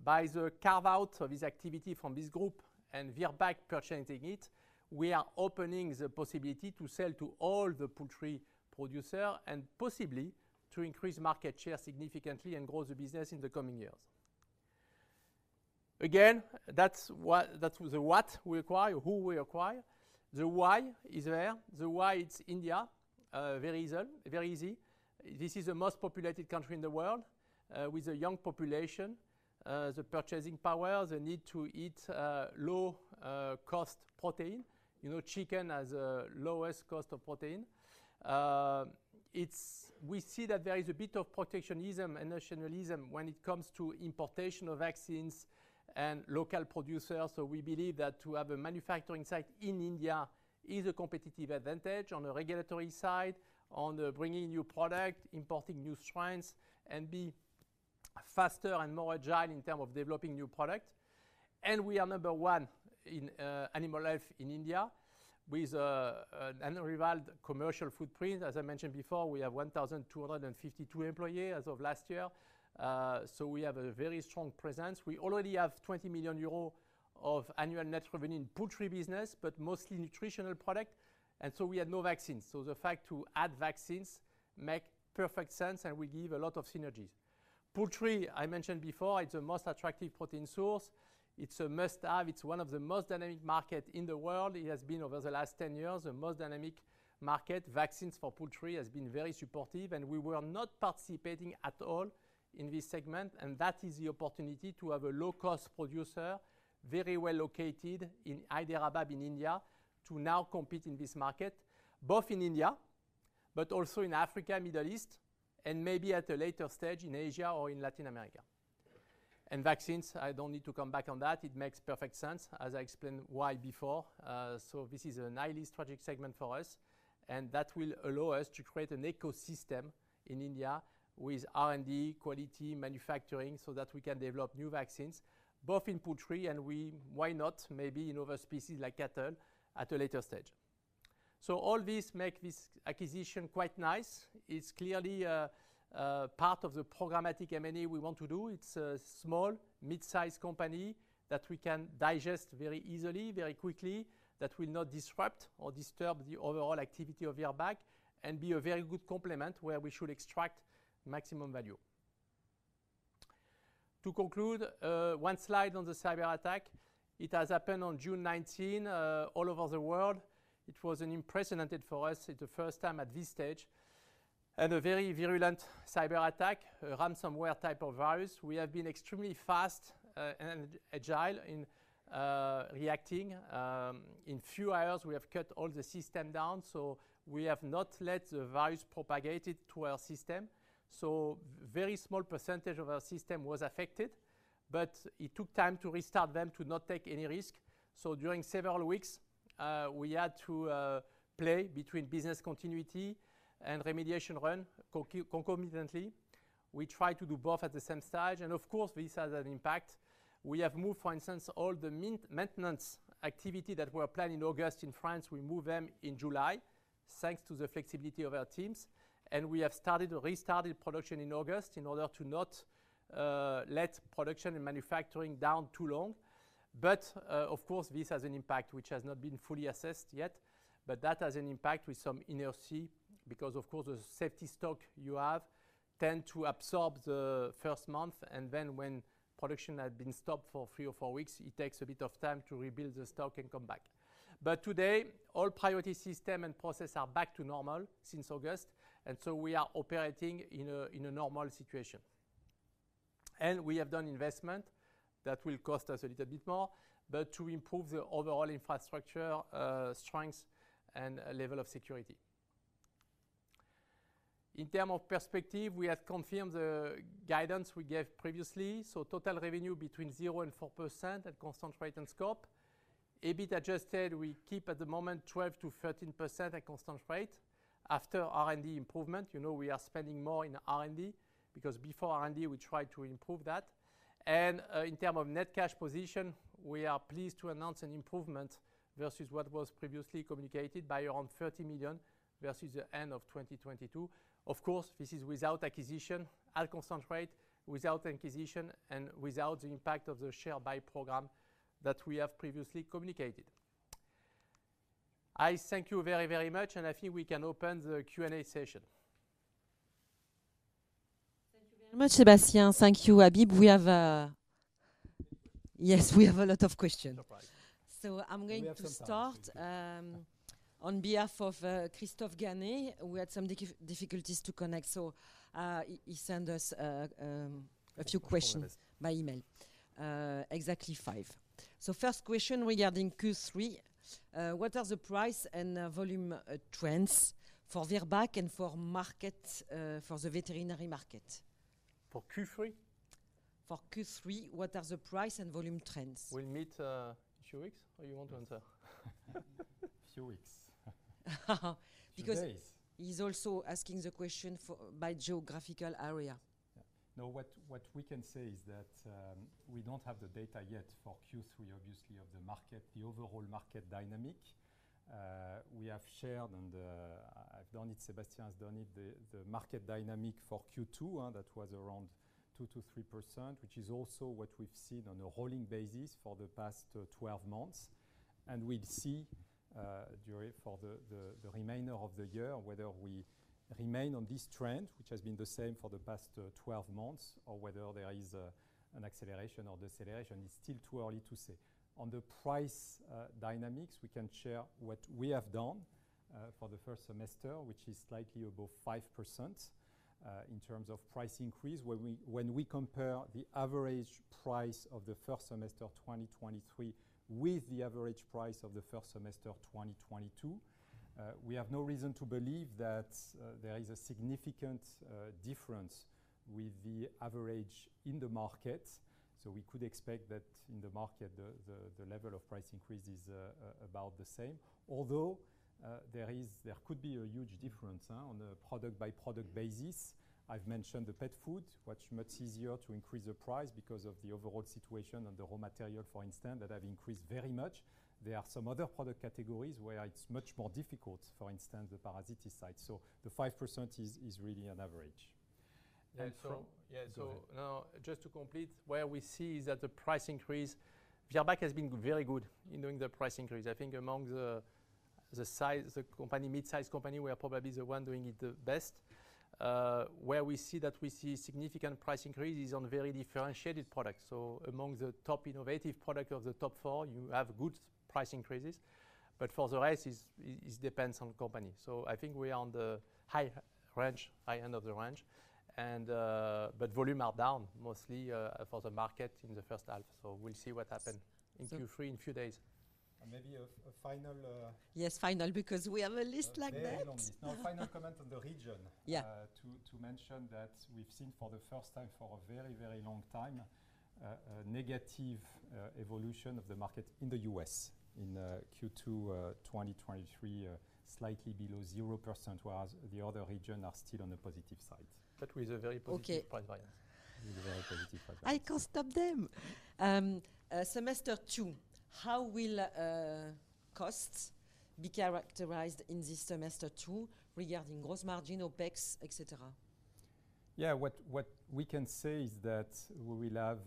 By the carve-out of this activity from this group and Virbac purchasing it, we are opening the possibility to sell to all the poultry producer and possibly to increase market share significantly and grow the business in the coming years. Again, that's what-- that's the what we acquire, who we acquire. The why is there. The why it's India, very easy, very easy. This is the most populated country in the world, with a young population, the purchasing power, the need to eat, low cost protein. You know, chicken has the lowest cost of protein. We see that there is a bit of protectionism and nationalism when it comes to importation of vaccines and local producers. So we believe that to have a manufacturing site in India is a competitive advantage on the regulatory side, on the bringing new product, importing new strains, and be faster and more agile in term of developing new products. And we are number one in animal health in India, with an unrivaled commercial footprint. As I mentioned before, we have 1,252 employees as of last year. So we have a very strong presence. We already have 20 million euro of annual net revenue in poultry business, but mostly nutritional product, and so we had no vaccines. So the fact to add vaccines make perfect sense, and will give a lot of synergies. Poultry, I mentioned before, it's the most attractive protein source. It's a must-have. It's one of the most dynamic market in the world. It has been over the last 10 years, the most dynamic market. Vaccines for poultry has been very supportive, and we were not participating at all in this segment, and that is the opportunity to have a low-cost producer, very well located in Hyderabad, in India, to now compete in this market, both in India, but also in Africa, Middle East, and maybe at a later stage, in Asia or in Latin America. And vaccines, I don't need to come back on that. It makes perfect sense, as I explained why before. This is a highly strategic segment for us... and that will allow us to create an ecosystem in India with R&D, quality, manufacturing, so that we can develop new vaccines, both in poultry and we—why not, maybe in other species like cattle, at a later stage. All this makes this acquisition quite nice. It's clearly a part of the programmatic M&A we want to do. It's a small, mid-size company that we can digest very easily, very quickly, that will not disrupt or disturb the overall activity of Virbac and be a very good complement, where we should extract maximum value. To conclude, one slide on the cyberattack. It has happened on June 19, all over the world. It was unprecedented for us, it's the first time at this stage, and a very virulent cyberattack, a ransomware type of virus. We have been extremely fast and agile in reacting. In few hours, we have cut all the system down, so we have not let the virus propagated to our system. So very small percentage of our system was affected, but it took time to restart them, to not take any risk. So during several weeks, we had to play between business continuity and remediation run concomitantly. We tried to do both at the same stage, and of course, this has an impact. We have moved, for instance, all the maintenance activity that were planned in August in France, we move them in July, thanks to the flexibility of our teams. We have started, restarted production in August in order to not let production and manufacturing down too long. But, of course, this has an impact which has not been fully assessed yet, but that has an impact with some inertia, because, of course, the safety stock you have tend to absorb the first month, and then when production had been stopped for three or four weeks, it takes a bit of time to rebuild the stock and come back. But today, all priority system and process are back to normal since August, and so we are operating in a normal situation. And we have done investment that will cost us a little bit more, but to improve the overall infrastructure, strengths and level of security. In terms of perspective, we have confirmed the guidance we gave previously, so total revenue between 0% and 4% at constant rate and scope. EBIT adjusted, we keep at the moment 12%-13% at constant rate. After R&D improvement, you know, we are spending more in R&D, because before R&D, we tried to improve that. And in terms of net cash position, we are pleased to announce an improvement versus what was previously communicated by around 30 million, versus the end of 2022. Of course, this is without acquisition, at constant rate, without acquisition, and without the impact of the share buy program that we have previously communicated. I thank you very, very much, and I think we can open the Q&A session. Thank you very much, Sébastien. Thank you, Habib. We have... Yes, we have a lot of questions. All right. I'm going to start- We have some time.... on behalf of Christophe Ganaye, who had some difficulties to connect, so he sent us a few questions- All right... by email, exactly five. So first question regarding Q3: "What are the price and, volume, trends for Virbac and for market, for the veterinary market? For Q3? For Q3, what are the price and volume trends? We'll meet, few weeks, or you want to answer? Few weeks. Because- Today. He's also asking the question by geographical area. Yeah. No, what we can say is that we don't have the data yet for Q3, obviously, of the market, the overall market dynamic. We have shared, and I've done it, Sébastien has done it, the market dynamic for Q2, that was around 2%-3%, which is also what we've seen on a rolling basis for the past 12 months. We'd see, during the remainder of the year, whether we remain on this trend, which has been the same for the past 12 months, or whether there is an acceleration or deceleration, it's still too early to say. On the price dynamics, we can share what we have done for the first semester, which is slightly above 5% in terms of price increase. When we compare the average price of the first semester of 2023 with the average price of the first semester of 2022, we have no reason to believe that there is a significant difference with the average in the market. So we could expect that in the market, the level of price increase is about the same. Although there could be a huge difference on a product-by-product basis. I've mentioned the pet food, which much easier to increase the price because of the overall situation and the raw material, for instance, that have increased very much. There are some other product categories where it's much more difficult, for instance, the parasiticides. So the 5% is really an average. And so- And from- Yeah, so- Go ahead. Now, just to complete, where we see is that the price increase. Virbac has been very good in doing the price increase. I think among the, the size, the company, mid-size company, we are probably the one doing it the best. Where we see that we see significant price increase is on very differentiated products. So among the top innovative product of the top four, you have good price increases, but for the rest, it depends on company. So I think we are on the high range, high end of the range, and. But volume are down, mostly, for the market in the first half. So we'll see what happen. So- ...in Q3, in a few days... and maybe a final Yes, final, because we have a list like that. A very long list. No, final comment on the region. Yeah. To mention that we've seen for the first time, for a very, very long time, a negative evolution of the market in the U.S., in Q2 2023, slightly below 0%, whereas the other region are still on the positive side. But with a very positive price variance. Okay. With a very positive price variance. I can't stop them! Semester two, how will costs be characterized in this semester two regarding gross margin, OpEx, et cetera? Yeah, what, what we can say is that we will have,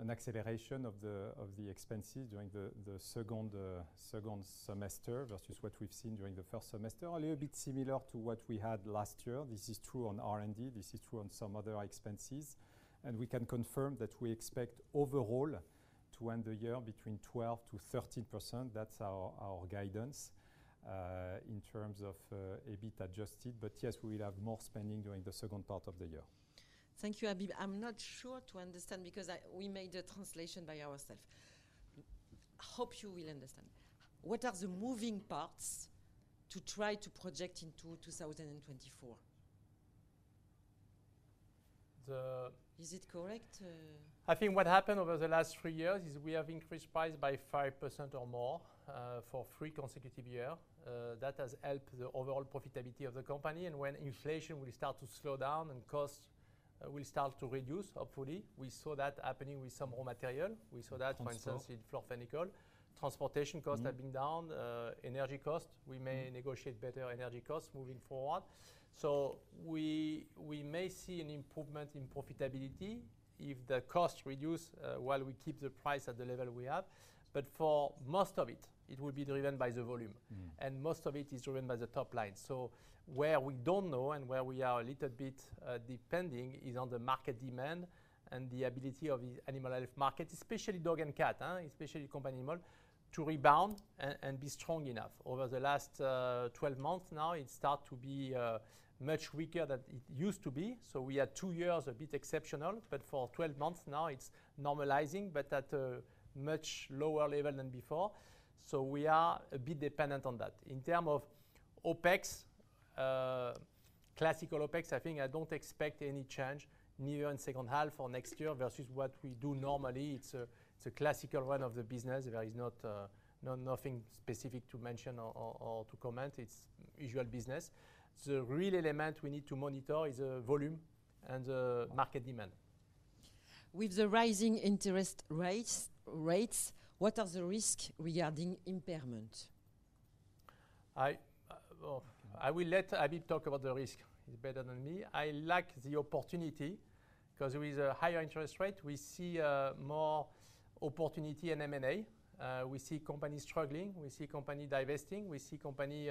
an acceleration of the, of the expenses during the, the second, second semester, versus what we've seen during the first semester. A little bit similar to what we had last year. This is true on R&D, this is true on some other expenses, and we can confirm that we expect overall to end the year between 12%-13%. That's our, our guidance, in terms of, EBIT adjusted. But yes, we will have more spending during the second part of the year. Thank you, Habib. I'm not sure to understand because we made a translation by ourself. Hope you will understand. What are the moving parts to try to project into 2024? The- Is it correct? I think what happened over the last three years is we have increased price by 5% or more, for three consecutive year. That has helped the overall profitability of the company, and when inflation will start to slow down and costs will start to reduce, hopefully, we saw that happening with some raw material. We saw that- Transportation... for instance, in florfenicol. Transportation costs- Mm... have been down. Energy costs- Mm... we may negotiate better energy costs moving forward. So we may see an improvement in profitability if the costs reduce, while we keep the price at the level we have. But for most of it, it will be driven by the volume. Mm. Most of it is driven by the top line. So where we don't know and where we are a little bit, depending, is on the market demand and the ability of the animal health market, especially dog and cat, especially companion animal, to rebound and be strong enough. Over the last 12 months, now it start to be much weaker than it used to be. So we had two years a bit exceptional, but for 12 months now, it's normalizing, but at a much lower level than before, so we are a bit dependent on that. In term of OpEx, classical OpEx, I think I don't expect any change neither in second half or next year, versus what we do normally. It's a classical run of the business. There is not nothing specific to mention or to comment. It's usual business. The real element we need to monitor is the volume and the market demand. With the rising interest rates, what are the risks regarding impairment? I, well, I will let Habib talk about the risk. He's better than me. I like the opportunity, 'cause with a higher interest rate, we see more opportunity in M&A. We see companies struggling, we see company divesting, we see company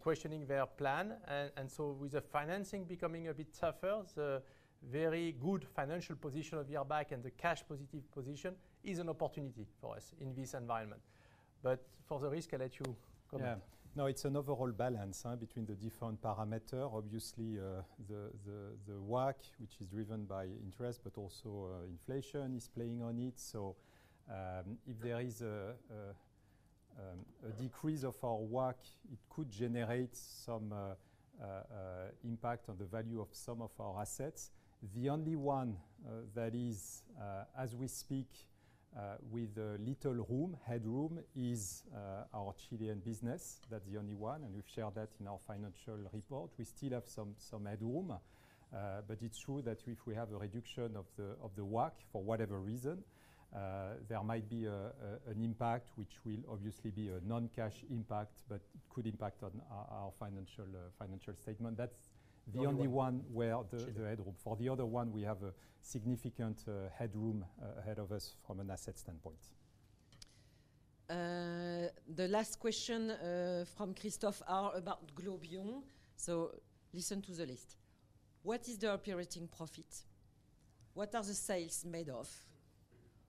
questioning their plan. And, and so with the financing becoming a bit tougher, the very good financial position of Virbac and the cash positive position is an opportunity for us in this environment. But for the risk, I let you comment. Yeah. No, it's an overall balance between the different parameters. Obviously, the WACC, which is driven by interest, but also, inflation is playing on it. So, if there is a decrease of our WACC, it could generate some impact on the value of some of our assets. The only one that is, as we speak, with a little headroom, is our Chilean business. That's the only one, and we've shared that in our financial report. We still have some headroom, but it's true that if we have a reduction of the WACC for whatever reason, there might be an impact, which will obviously be a non-cash impact, but could impact on our financial statement. That's the only one- Chile... where the headroom. For the other one, we have a significant headroom ahead of us from an asset standpoint. The last question from Christophe are about Globion. So listen to the list. What is their operating profit? What are the sales made of?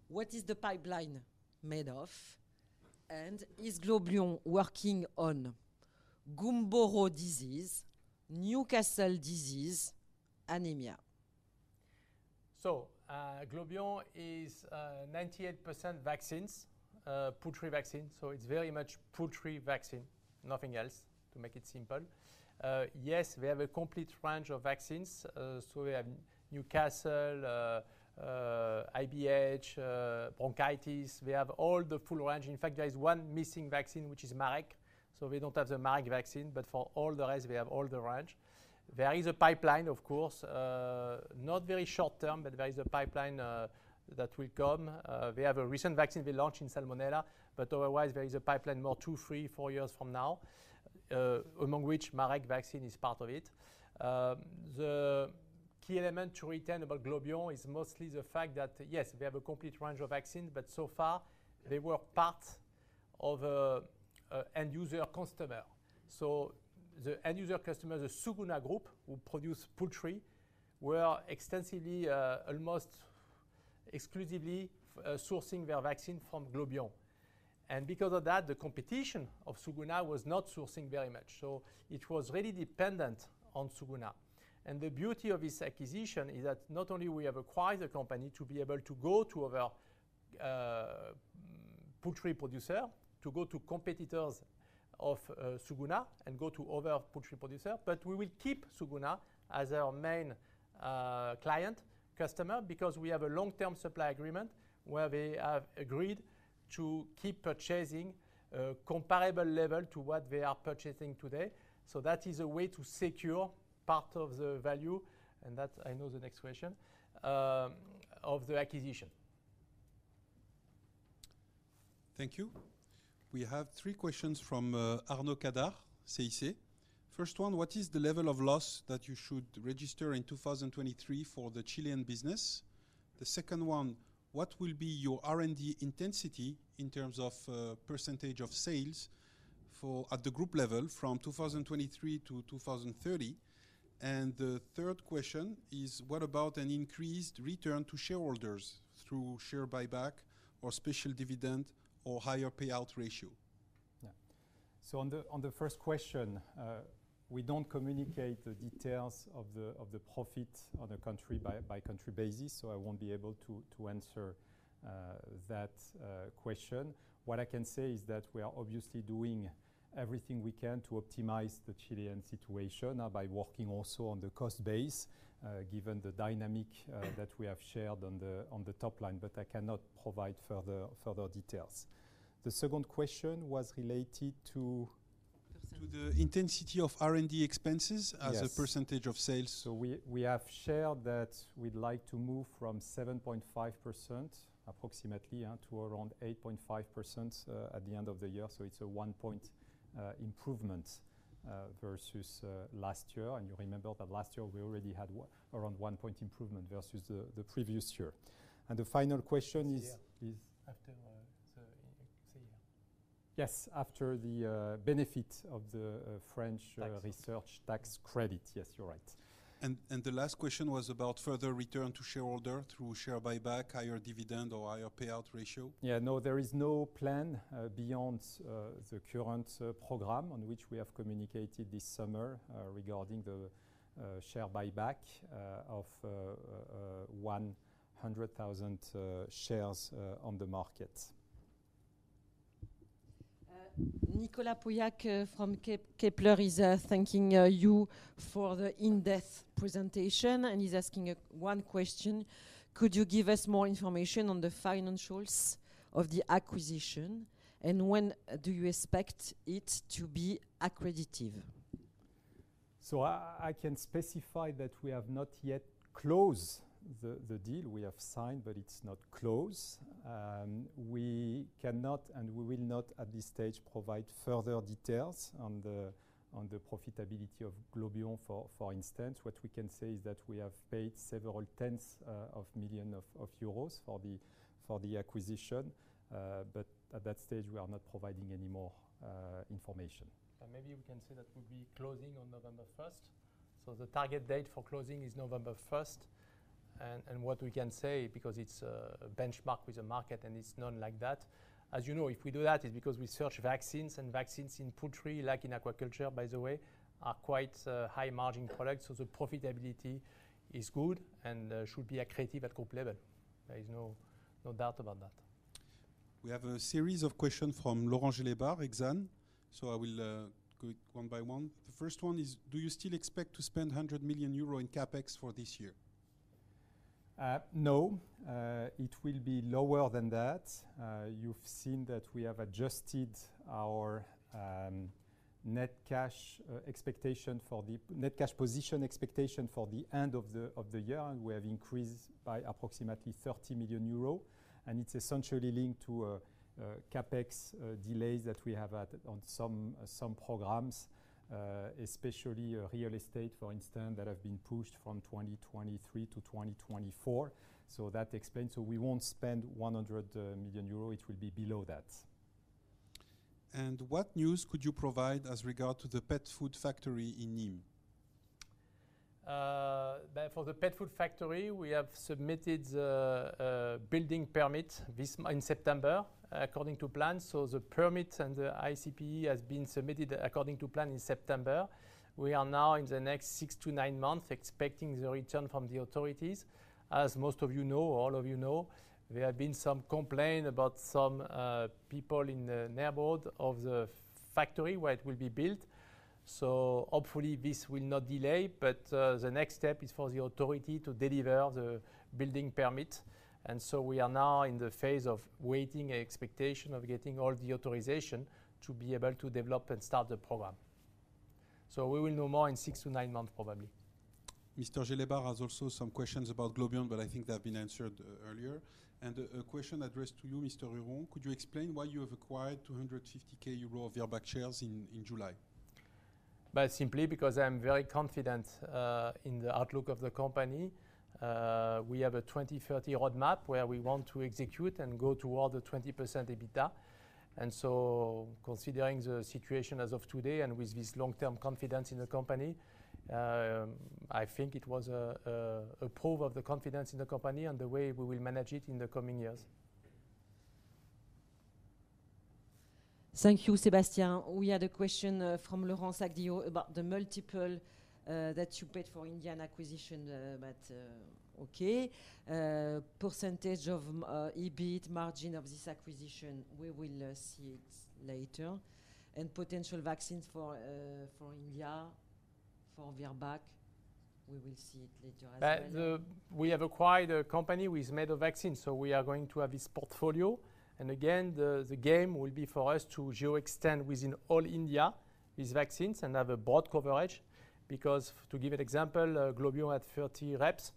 What is the pipeline made of? And is Globion working on Gumboro disease, Newcastle disease, anemia? So, Globion is 98% vaccines, poultry vaccines, so it's very much poultry vaccine, nothing else, to make it simple. Yes, we have a complete range of vaccines. So we have Newcastle, IBH, bronchitis. We have all the full range. In fact, there is one missing vaccine, which is Marek. So we don't have the Marek vaccine, but for all the rest, we have all the range. There is a pipeline, of course. Not very short term, but there is a pipeline that will come. We have a recent vaccine we launched in Salmonella, but otherwise, there is a pipeline more two, three, four years from now, among which Marek vaccine is part of it. The key element to retain about Globion is mostly the fact that, yes, we have a complete range of vaccines, but so far, they were part of a, a end user customer. The end user customer, the Suguna Group, who produce poultry, were extensively, almost exclusively, sourcing their vaccine from Globion. Because of that, the competition of Suguna was not sourcing very much, so it was really dependent on Suguna. The beauty of this acquisition is that not only we have acquired the company to be able to go to other, poultry producer, to go to competitors of Suguna and go to other poultry producer. We will keep Suguna as our main, client, customer, because we have a long-term supply agreement where they have agreed to keep purchasing, comparable level to what they are purchasing today. So that is a way to secure part of the value, and that I know the next question, of the acquisition. Thank you. We have three questions from Arnaud Cadart, CIC. First one: What is the level of loss that you should register in 2023 for the Chilean business? The second one: What will be your R&D intensity in terms of percentage of sales for at the group level from 2023 to 2030? And the third question is: What about an increased return to shareholders through share buyback, or special dividend, or higher payout ratio? Yeah. So on the first question, we don't communicate the details of the profit on a country by country basis, so I won't be able to answer that question. What I can say is that we are obviously doing everything we can to optimize the Chilean situation by working also on the cost base, given the dynamic that we have shared on the top line. But I cannot provide further details. The second question was related to- Percentage. To the intensity of R&D expenses- Yes. -as a percentage of sales. So we have shared that we'd like to move from 7.5%, approximately, to around 8.5%, at the end of the year. So it's a 1-point improvement versus last year. And you remember that last year we already had around 1-point improvement versus the previous year. And the final question is-... Yeah. Is- After the CEO. Yes, after the benefit of the French- Tax... research tax credit. Yes, you're right. The last question was about further return to shareholder through share buyback, higher dividend or higher payout ratio. Yeah. No, there is no plan beyond the current program on which we have communicated this summer regarding the share buyback of 100,000 shares on the market. Nicolas Poyarkoff from Kepler is thanking you for the in-depth presentation, and he's asking one question: Could you give us more information on the financials of the acquisition, and when do you expect it to be accretive? I can specify that we have not yet closed the deal. We have signed, but it's not closed. We cannot, and we will not, at this stage, provide further details on the profitability of Globion, for instance. What we can say is that we have paid several tens of million of EUR for the acquisition. At that stage, we are not providing any more information. Maybe we can say that we'll be closing on November 1st. The target date for closing is November 1st. What we can say, because it's a benchmark with the market, and it's known like that. As you know, if we do that, it's because we search vaccines, and vaccines in poultry, like in aquaculture, by the way, are quite a high-margin products. The profitability is good and should be accretive at group level. There is no doubt about that. We have a series of questions from Laurent Gelebart, Exane. So I will go one by one. The first one is: Do you still expect to spend 100 million euro in CapEx for this year? No, it will be lower than that. You've seen that we have adjusted our net cash position expectation for the end of the year, and we have increased by approximately 30 million euros. And it's essentially linked to CapEx delays that we have had on some programs, especially real estate, for instance, that have been pushed from 2023 to 2024. So that explains, so we won't spend 100 million euro. It will be below that. What news could you provide as regard to the pet food factory in Nîmes? That for the pet food factory, we have submitted the building permit in September, according to plan. The permit and the ICPE has been submitted according to plan in September. We are now, in the next six-nine months, expecting the return from the authorities. As most of you know, or all of you know, there have been some complaint about some people in the neighborhood of the factory where it will be built. Hopefully, this will not delay, but the next step is for the authority to deliver the building permit. We are now in the phase of waiting and expectation of getting all the authorization to be able to develop and start the program. We will know more in six-nine months, probably. Mr. Gelebart has also some questions about Globion, but I think they have been answered earlier. A question addressed to you, Mr. Huron: Could you explain why you have acquired 250,000 euro of Virbac shares in July? Well, simply because I'm very confident in the outlook of the company. We have a 2030 roadmap, where we want to execute and go toward the 20% EBITDA. And so considering the situation as of today, and with this long-term confidence in the company, I think it was a proof of the confidence in the company and the way we will manage it in the coming years.... Thank you, Sébastien. We had a question from Laurence from Oddo about the multiple that you paid for Indian acquisition, but okay. Percentage of EBIT margin of this acquisition, we will see it later. And potential vaccines for India, for Virbac, we will see it later as well. But we have acquired a company who has made a vaccine, so we are going to have this portfolio. And again, the game will be for us to geo-extend within all India, these vaccines, and have a broad coverage. Because to give an example, Globion had 30 reps.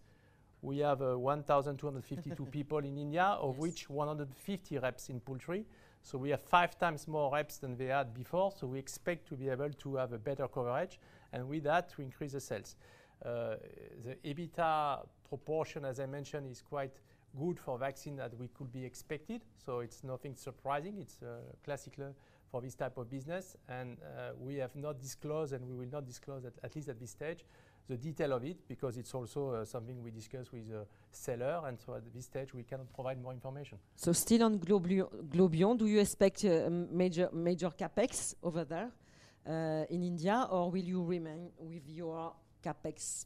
We have 1,252 people- Yes... in India, of which 150 reps in poultry. So we have five times more reps than they had before, so we expect to be able to have a better coverage, and with that, to increase the sales. The EBITDA proportion, as I mentioned, is quite good for vaccine that we could be expected, so it's nothing surprising. It's classical for this type of business. And we have not disclosed, and we will not disclose at least at this stage, the detail of it, because it's also something we discussed with the seller, and so at this stage, we cannot provide more information. Still on Globion, do you expect major CapEx over there in India, or will you remain with your CapEx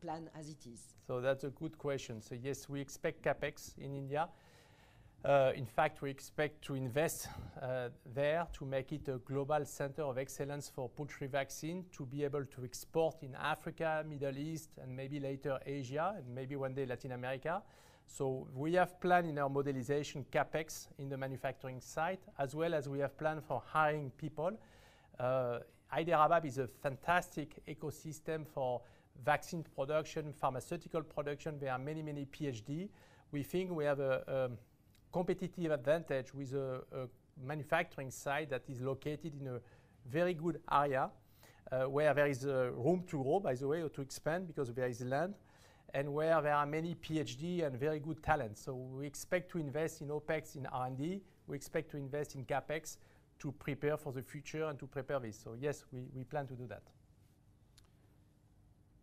plan as it is? So that's a good question. So yes, we expect CapEx in India. In fact, we expect to invest there, to make it a global center of excellence for poultry vaccine, to be able to export in Africa, Middle East, and maybe later, Asia, and maybe one day, Latin America. So we have planned in our modelization CapEx in the manufacturing site, as well as we have planned for hiring people. Hyderabad is a fantastic ecosystem for vaccine production, pharmaceutical production. There are many, many Ph.D.s. We think we have a competitive advantage with a manufacturing site that is located in a very good area, where there is room to grow, by the way, or to expand, because there is land, and where there are many Ph.D.s and very good talent. So we expect to invest in OpEx, in R&D. We expect to invest in CapEx to prepare for the future and to prepare this. So yes, we, we plan to do that.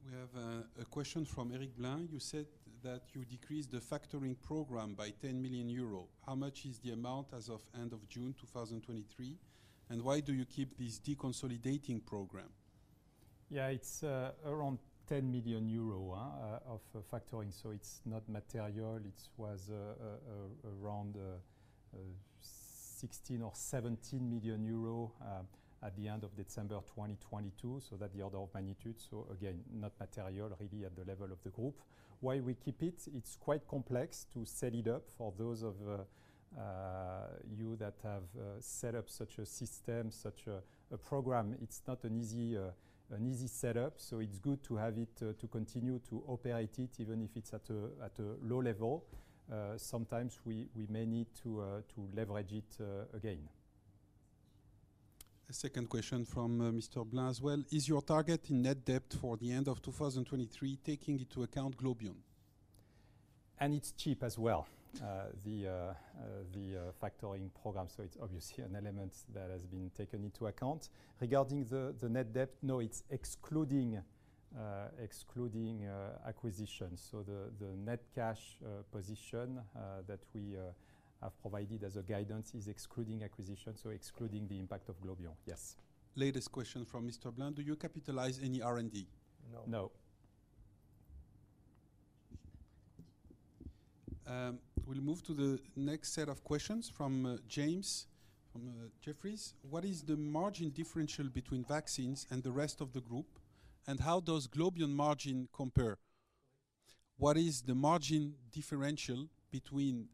We have a question from Eric Bleines. You said that you decreased the factoring program by 10 million euro. How much is the amount as of end of June 2023? And why do you keep this deconsolidating program? Yeah, it's around 10 million euro of factoring, so it's not material. It was around 16 million or 17 million euro at the end of December 2022, so that the order of magnitude. So again, not material, really, at the level of the group. Why we keep it? It's quite complex to set it up. For those of you that have set up such a system, such a program, it's not an easy setup, so it's good to have it to continue to operate it, even if it's at a low level. Sometimes we may need to leverage it again. A second question from Mr. Bleines as well: Is your target in net debt for the end of 2023, taking into account Globion? It's cheap as well, the factoring program, so it's obviously an element that has been taken into account. Regarding the net debt, no, it's excluding acquisitions. So the net cash position that we have provided as a guidance is excluding acquisition, so excluding the impact of Globion. Yes. Latest question from Mr. Bleines: Do you capitalize any R&D? No. No. We'll move to the next set of questions from James from Jefferies. What is the margin differential between vaccines and the rest of the group, and how does Globion margin compare? What is the margin differential between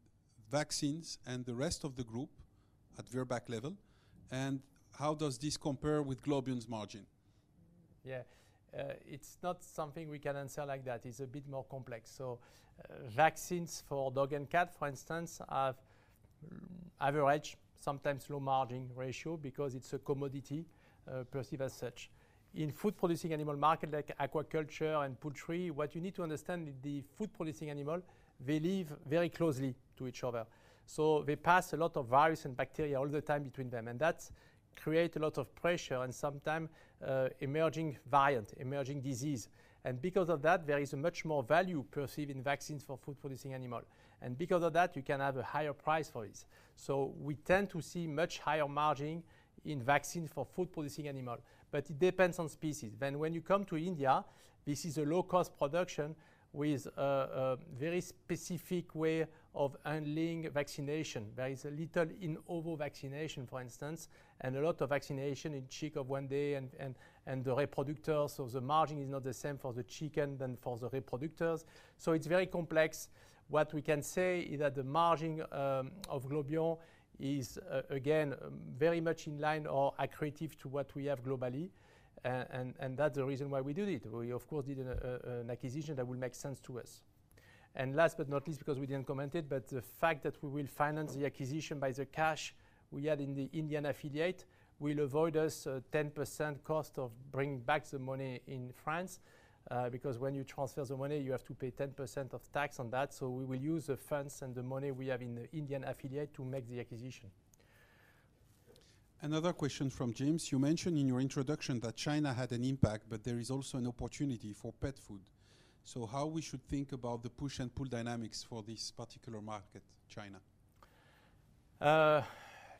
vaccines and the rest of the group at Virbac level, and how does this compare with Globion's margin? Yeah. It's not something we can answer like that. It's a bit more complex. So, vaccines for dog and cat, for instance, have average, sometimes low margin ratio, because it's a commodity, perceived as such. In food-producing animal market, like aquaculture and poultry, what you need to understand is the food-producing animal, they live very closely to each other. So they pass a lot of virus and bacteria all the time between them, and that's create a lot of pressure and sometime, emerging variant, emerging disease. And because of that, there is a much more value perceived in vaccines for food-producing animal. And because of that, you can have a higher price for it. So we tend to see much higher margin in vaccine for food-producing animal, but it depends on species. Then when you come to India, this is a low-cost production with a very specific way of handling vaccination. There is a little in ovo vaccination, for instance, and a lot of vaccination in chick of one day and the reproductor. So the margin is not the same for the chicken than for the reproductors. So it's very complex. What we can say is that the margin of Globion is, again, very much in line or accretive to what we have globally. And that's the reason why we did it. We, of course, did an acquisition that would make sense to us. Last but not least, because we didn't comment it, but the fact that we will finance the acquisition by the cash we had in the Indian affiliate, will avoid us a 10% cost of bringing back the money in France. Because when you transfer the money, you have to pay 10% of tax on that. So we will use the funds and the money we have in the Indian affiliate to make the acquisition. Another question from James. You mentioned in your introduction that China had an impact, but there is also an opportunity for pet food. So how we should think about the push and pull dynamics for this particular market, China?...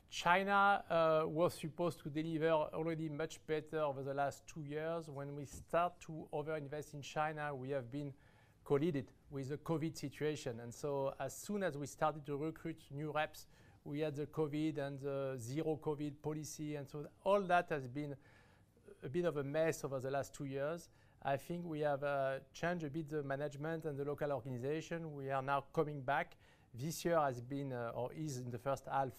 China was supposed to deliver already much better over the last two years. When we start to over-invest in China, we have been collided with the COVID situation. And so as soon as we started to recruit new reps, we had the COVID and zero-COVID policy, and so all that has been a bit of a mess over the last two years. I think we have changed a bit the management and the local organization. We are now coming back. This year has been or is in the first half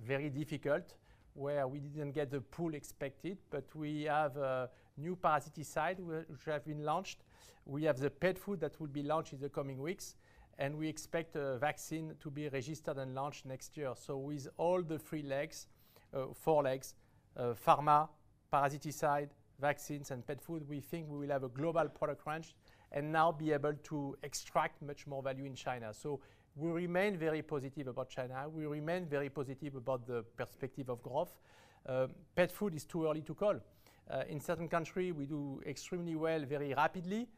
very difficult, where we didn't get the pool expected. But we have a new parasiticide which have been launched. We have the pet food that will be launched in the coming weeks, and we expect a vaccine to be registered and launched next year. So with all the three legs, four legs, pharma, parasiticide, vaccines and pet food, we think we will have a global product range and now be able to extract much more value in China. So we remain very positive about China. We remain very positive about the perspective of growth. Pet food is too early to call. In certain country, we do extremely well, very rapidly,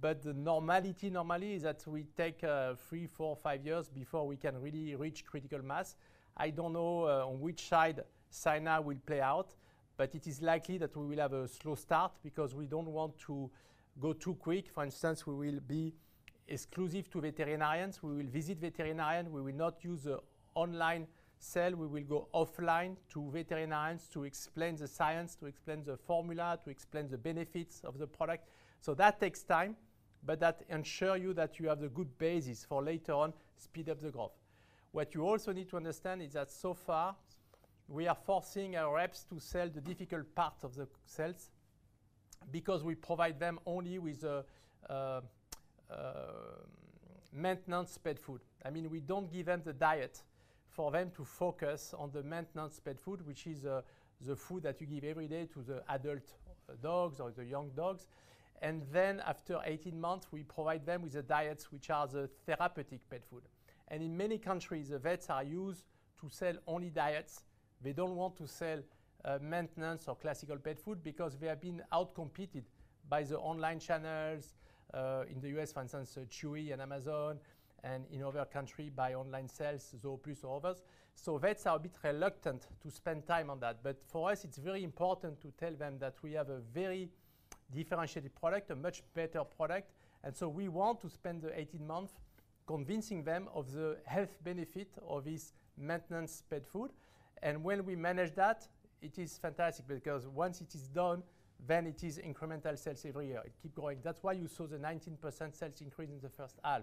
but the normality normally is that we take, three, four, five years before we can really reach critical mass. I don't know, on which side China will play out, but it is likely that we will have a slow start because we don't want to go too quick. For instance, we will be exclusive to veterinarians. We will visit veterinarian. We will not use an online sale. We will go offline to veterinarians to explain the science, to explain the formula, to explain the benefits of the product. So that takes time, but that ensure you that you have the good basis for later on speed up the growth. What you also need to understand is that so far, we are forcing our reps to sell the difficult part of the sales because we provide them only with a maintenance pet food. I mean, we don't give them the diet for them to focus on the maintenance pet food, which is the food that you give every day to the adult dogs or the young dogs, and then after 18 months, we provide them with the diets which are the therapeutic pet food. And in many countries, the vets are used to sell only diets. They don't want to sell, maintenance or classical pet food because they have been outcompeted by the online channels, in the U.S., for instance, Chewy and Amazon, and in other country, by online sales, Zooplus or others. So vets are a bit reluctant to spend time on that. But for us, it's very important to tell them that we have a very differentiated product, a much better product, and so we want to spend the 18 months convincing them of the health benefit of this maintenance pet food. And when we manage that, it is fantastic, because once it is done, then it is incremental sales every year. It keep going. That's why you saw the 19% sales increase in the first half.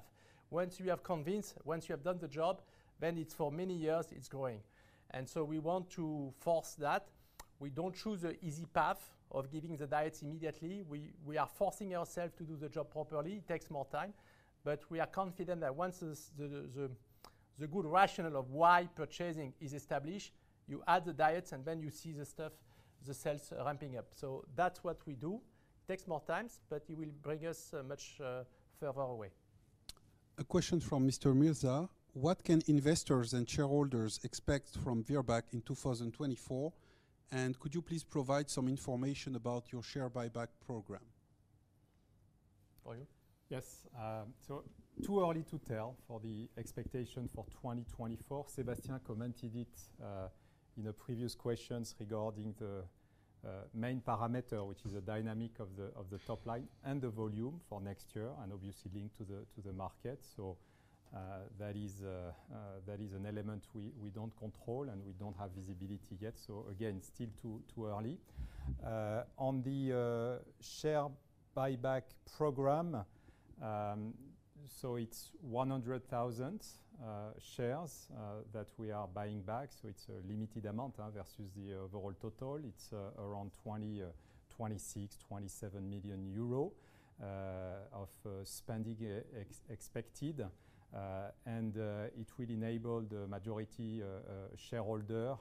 Once you have convinced, once you have done the job, then it's for many years, it's growing. And so we want to force that. We don't choose the easy path of giving the diets immediately. We are forcing ourselves to do the job properly, it takes more time, but we are confident that once the good rationale of why purchasing is established, you add the diets, and then you see the stuff, the sales ramping up. So that's what we do. Takes more times, but it will bring us much further away. A question from Mr. Mirza: What can investors and shareholders expect from Virbac in 2024? And could you please provide some information about your share buyback program? For you? Yes, so too early to tell for the expectation for 2024. Sébastien commented it, in a previous questions regarding the, main parameter, which is the dynamic of the, of the top line and the volume for next year, and obviously linked to the, to the market. So, that is, that is an element we, we don't control, and we don't have visibility yet. So again, still too, too early. On the, share buyback program, so it's 100,000 shares, that we are buying back, so it's a limited amount, versus the overall total. It's, aroundEUR 26-EUR27 million, of spending expected. It will enable the majority shareholder,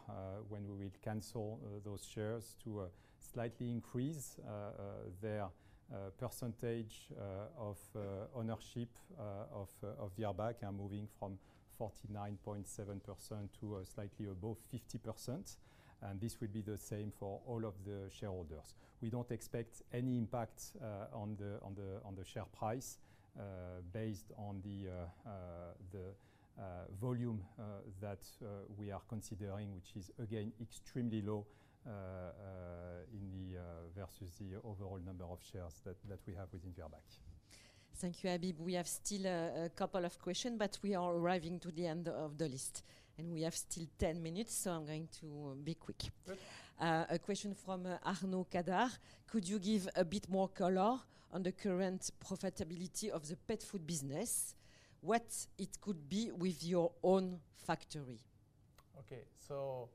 when we cancel those shares, to slightly increase their percentage of ownership of Virbac, moving from 49.7% to slightly above 50%, and this will be the same for all of the shareholders. We don't expect any impact on the share price based on the volume that we are considering, which is, again, extremely low versus the overall number of shares that we have within Virbac. Thank you, Habib. We have still a couple of questions, but we are arriving to the end of the list, and we have still 10 minutes, so I'm going to be quick. Good. A question from Arnaud Cadart: Could you give a bit more color on the current profitability of the pet food business? What it could be with your own factory? Okay, so,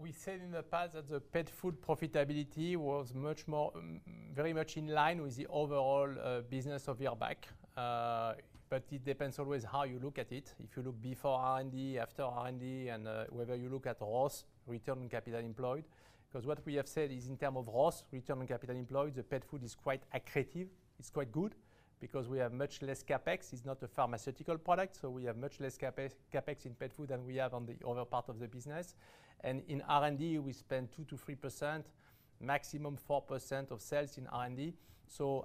we said in the past that the pet food profitability was much more—very much in line with the overall, business of Virbac. But it depends always how you look at it. If you look before R&D, after R&D, and, whether you look at ROCE, return on capital employed. 'Cause what we have said is, in term of ROCE, return on capital employed, the pet food is quite accretive. It's quite good because we have much less CapEx. It's not a pharmaceutical product, so we have much less CapEx in pet food than we have on the other part of the business. In R&D, we spend 2-3%, maximum 4% of sales in R&D.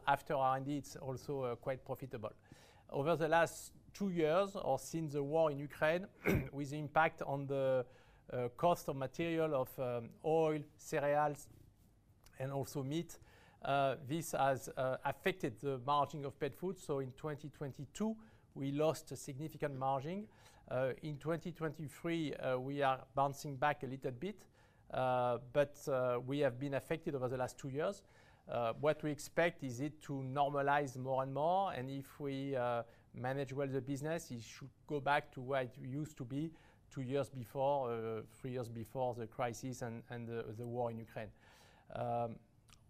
After R&D, it's also, quite profitable. Over the last two years, or since the war in Ukraine, with impact on the cost of material, of oil, cereals, and also meat, this has affected the margin of pet food. In 2022, we lost a significant margin. In 2023, we are bouncing back a little bit, but we have been affected over the last two years. What we expect is it to normalize more and more, and if we manage well the business, it should go back to what it used to be two years before, or three years before the crisis and the war in Ukraine.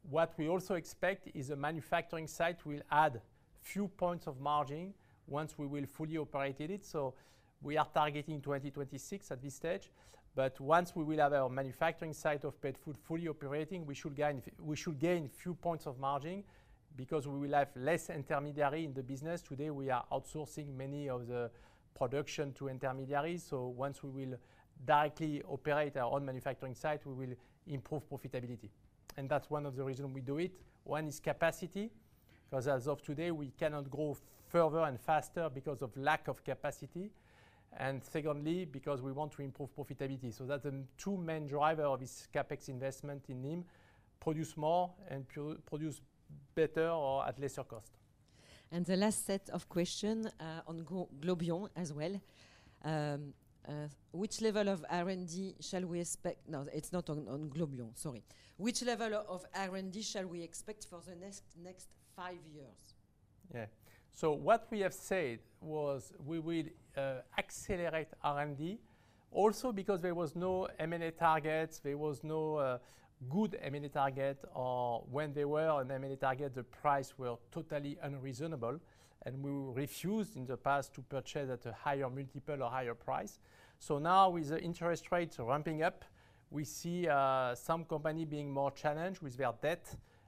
What we also expect is the manufacturing site will add few points of margin once we will fully operated it. So we are targeting 2026 at this stage, but once we will have our manufacturing site of pet food fully operating, we should gain-- we should gain few points of margin because we will have less intermediary in the business. Today, we are outsourcing many of the production to intermediaries, so once we will directly operate our own manufacturing site, we will improve profitability. And that's one of the reason we do it. One is capacity, 'cause as of today, we cannot grow further and faster because of lack of capacity, and secondly, because we want to improve profitability. So that's the two main driver of this CapEx investment in Nîmes, produce more and produce better or at lesser cost. The last set of questions on Globion as well. Which level of R&D shall we expect? No, it's not on Globion, sorry. Which level of R&D shall we expect for the next five years? Yeah. So what we have said was, we will accelerate R&D. Also, because there was no M&A targets, there was no good M&A target, or when there were an M&A target, the price were totally unreasonable, and we refused in the past to purchase at a higher multiple or higher price. So now, with the interest rates ramping up, we see some company being more challenged with their debt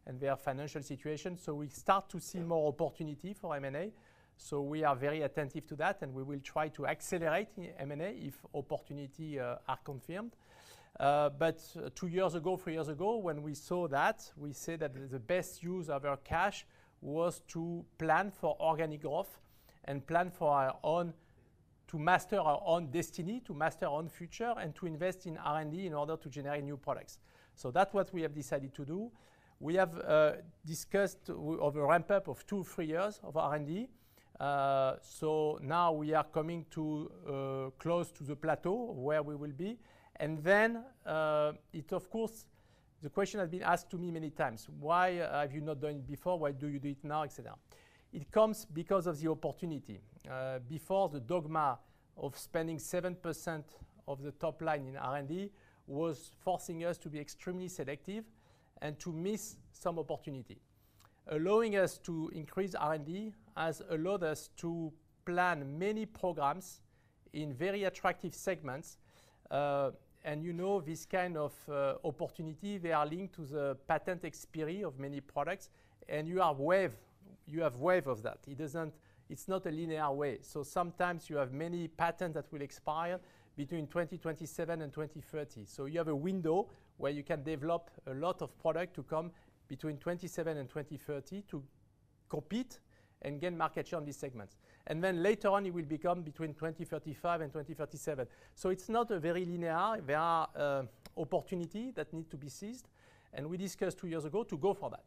and their financial situation, so we start to see more opportunity for M&A. So we are very attentive to that, and we will try to accelerate M&A if opportunity are confirmed. But two years ago, three years ago, when we saw that, we said that the best use of our cash was to plan for organic growth and plan for our own—to master our own destiny, to master own future, and to invest in R&D in order to generate new products. So that's what we have decided to do. We have discussed of a ramp-up of two, three years of R&D. So now we are coming to close to the plateau, where we will be. And then, it of course, the question has been asked to me many times: Why have you not done it before? Why do you do it now? Et cetera. It comes because of the opportunity. Before, the dogma of spending 7% of the top line in R&D was forcing us to be extremely selective and to miss some opportunity. Allowing us to increase R&D has allowed us to plan many programs in very attractive segments, and you know, this kind of opportunity, they are linked to the patent expiry of many products, and you have wave, you have wave of that. It doesn't—It's not a linear way. So sometimes you have many patents that will expire between 2027 and 2030. So you have a window where you can develop a lot of product to come between 2027 and 2030 to compete and gain market share on these segments. And then later on, it will become between 2035 and 2037. So it's not a very linear. There are opportunity that need to be seized, and we discussed two years ago to go for that.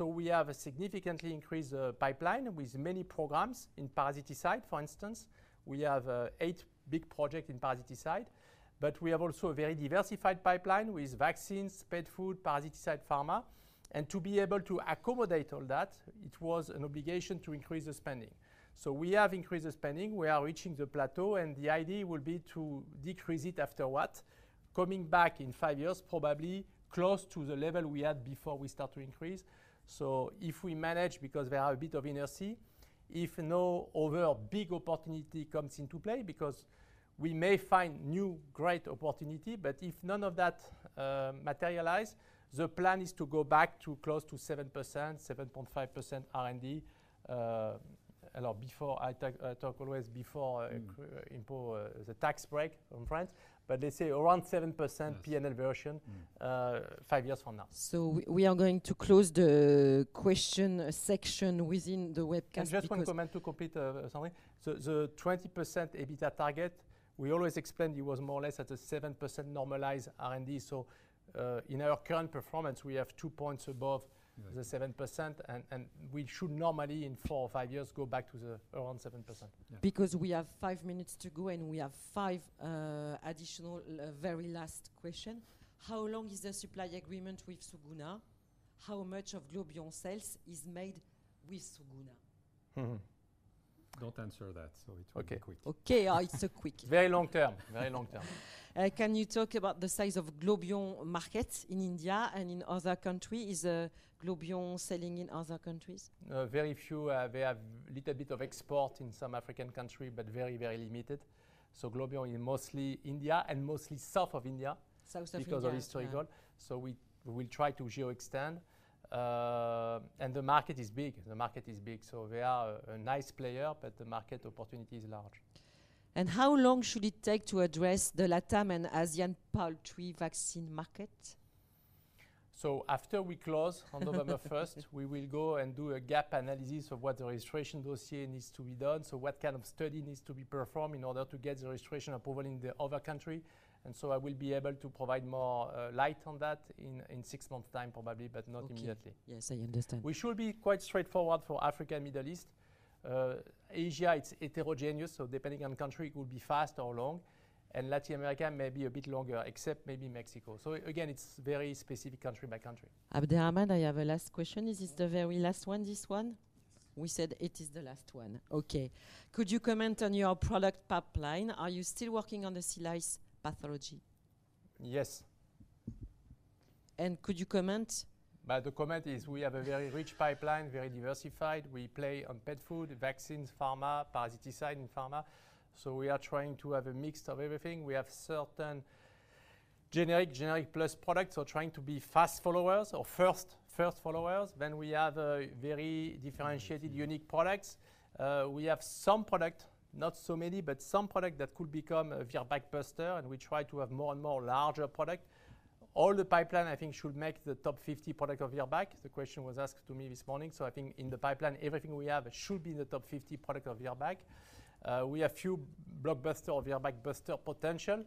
We have a significantly increased pipeline with many programs. In parasiticide, for instance, we have eight big project in parasiticide, but we have also a very diversified pipeline with vaccines, pet food, parasiticide, pharma. To be able to accommodate all that, it was an obligation to increase the spending. We have increased the spending, we are reaching the plateau, and the idea will be to decrease it after what, coming back in five years, probably close to the level we had before we start to increase. So if we manage, because there are a bit of inertia, if no other big opportunity comes into play, because we may find new, great opportunity, but if none of that materialize, the plan is to go back to close to 7%, 7.5% R&D. Well, before I talk always before improve the tax break from France, but let's say around 7%. Yes. P&L version, five years from now. So we are going to close the question section within the webcast because- Just one comment to complete something. The 20% EBITDA target, we always explained it was more or less at a 7% normalized R&D. In our current performance, we have two points above- Right... the 7%, and we should normally, in four or five years, go back to around the 7%. Yeah. Because we have five minutes to go, and we have five additional very last question. How long is the supply agreement with Suguna? How much of Globion sales is made with Suguna? Don't answer that, so it will be quick. Okay. Okay, it's quick. Very long term, very long term. Can you talk about the size of Globion market in India and in other country? Is, Globion selling in other countries? Very few, they have little bit of export in some African country, but very, very limited. So Globion is mostly India and mostly south of India- South of India... because of historical. So we, we try to geo extend, and the market is big. The market is big, so they are a nice player, but the market opportunity is large. How long should it take to address the Latam and ASEAN poultry vaccine market?... So after we close on November first, we will go and do a gap analysis of what the registration dossier needs to be done. So what kind of study needs to be performed in order to get the registration approval in the other country? And so I will be able to provide more light on that in six months time, probably, but not immediately. Okay. Yes, I understand. We should be quite straightforward for Africa and Middle East. Asia, it's heterogeneous, so depending on the country, it could be fast or long. Latin America may be a bit longer, except maybe Mexico. Again, it's very specific country by country. Abderrahman, I have a last question. This is the very last one, this one? We said it is the last one. Okay. Could you comment on your product pipeline? Are you still working on the sea lice pathology? Yes. Could you comment? Well, the comment is we have a very rich pipeline, very diversified. We play on pet food, vaccines, pharma, parasiticide, and pharma. So we are trying to have a mix of everything. We have certain generic, generic-plus products. So trying to be fast followers or first, first followers. Then we have very differentiated, unique products. We have some product, not so many, but some product that could become a Virbac blockbuster, and we try to have more and more larger product. All the pipeline, I think, should make the top 50 product of Virbac. The question was asked to me this morning, so I think in the pipeline, everything we have should be in the top 50 product of Virbac. We have few blockbuster or Virbac blockbuster potential,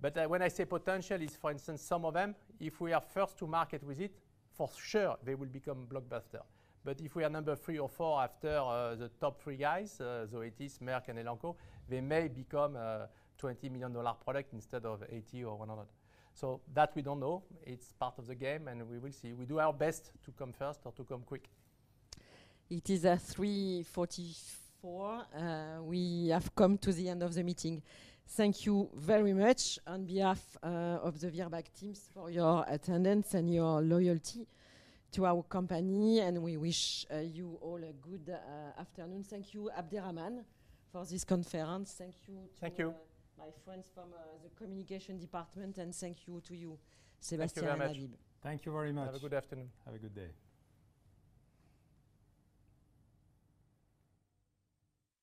but when I say potential, is for instance, some of them, if we are first to market with it, for sure, they will become blockbuster. But if we are number three or four after the top three guys, so it is Merck and Elanco, they may become a $20 million product instead of $80 or $100 million. So that we don't know. It's part of the game, and we will see. We do our best to come first or to come quick. It is 3:44 P.M. We have come to the end of the meeting. Thank you very much on behalf of the Virbac teams for your attendance and your loyalty to our company, and we wish you all a good afternoon. Thank you, Abderrahman, for this conference. Thank you to- Thank you. My friends from the communication department, and thank you to you, Sébastien and Habib. Thank you very much. Thank you very much. Have a good afternoon. Have a good day.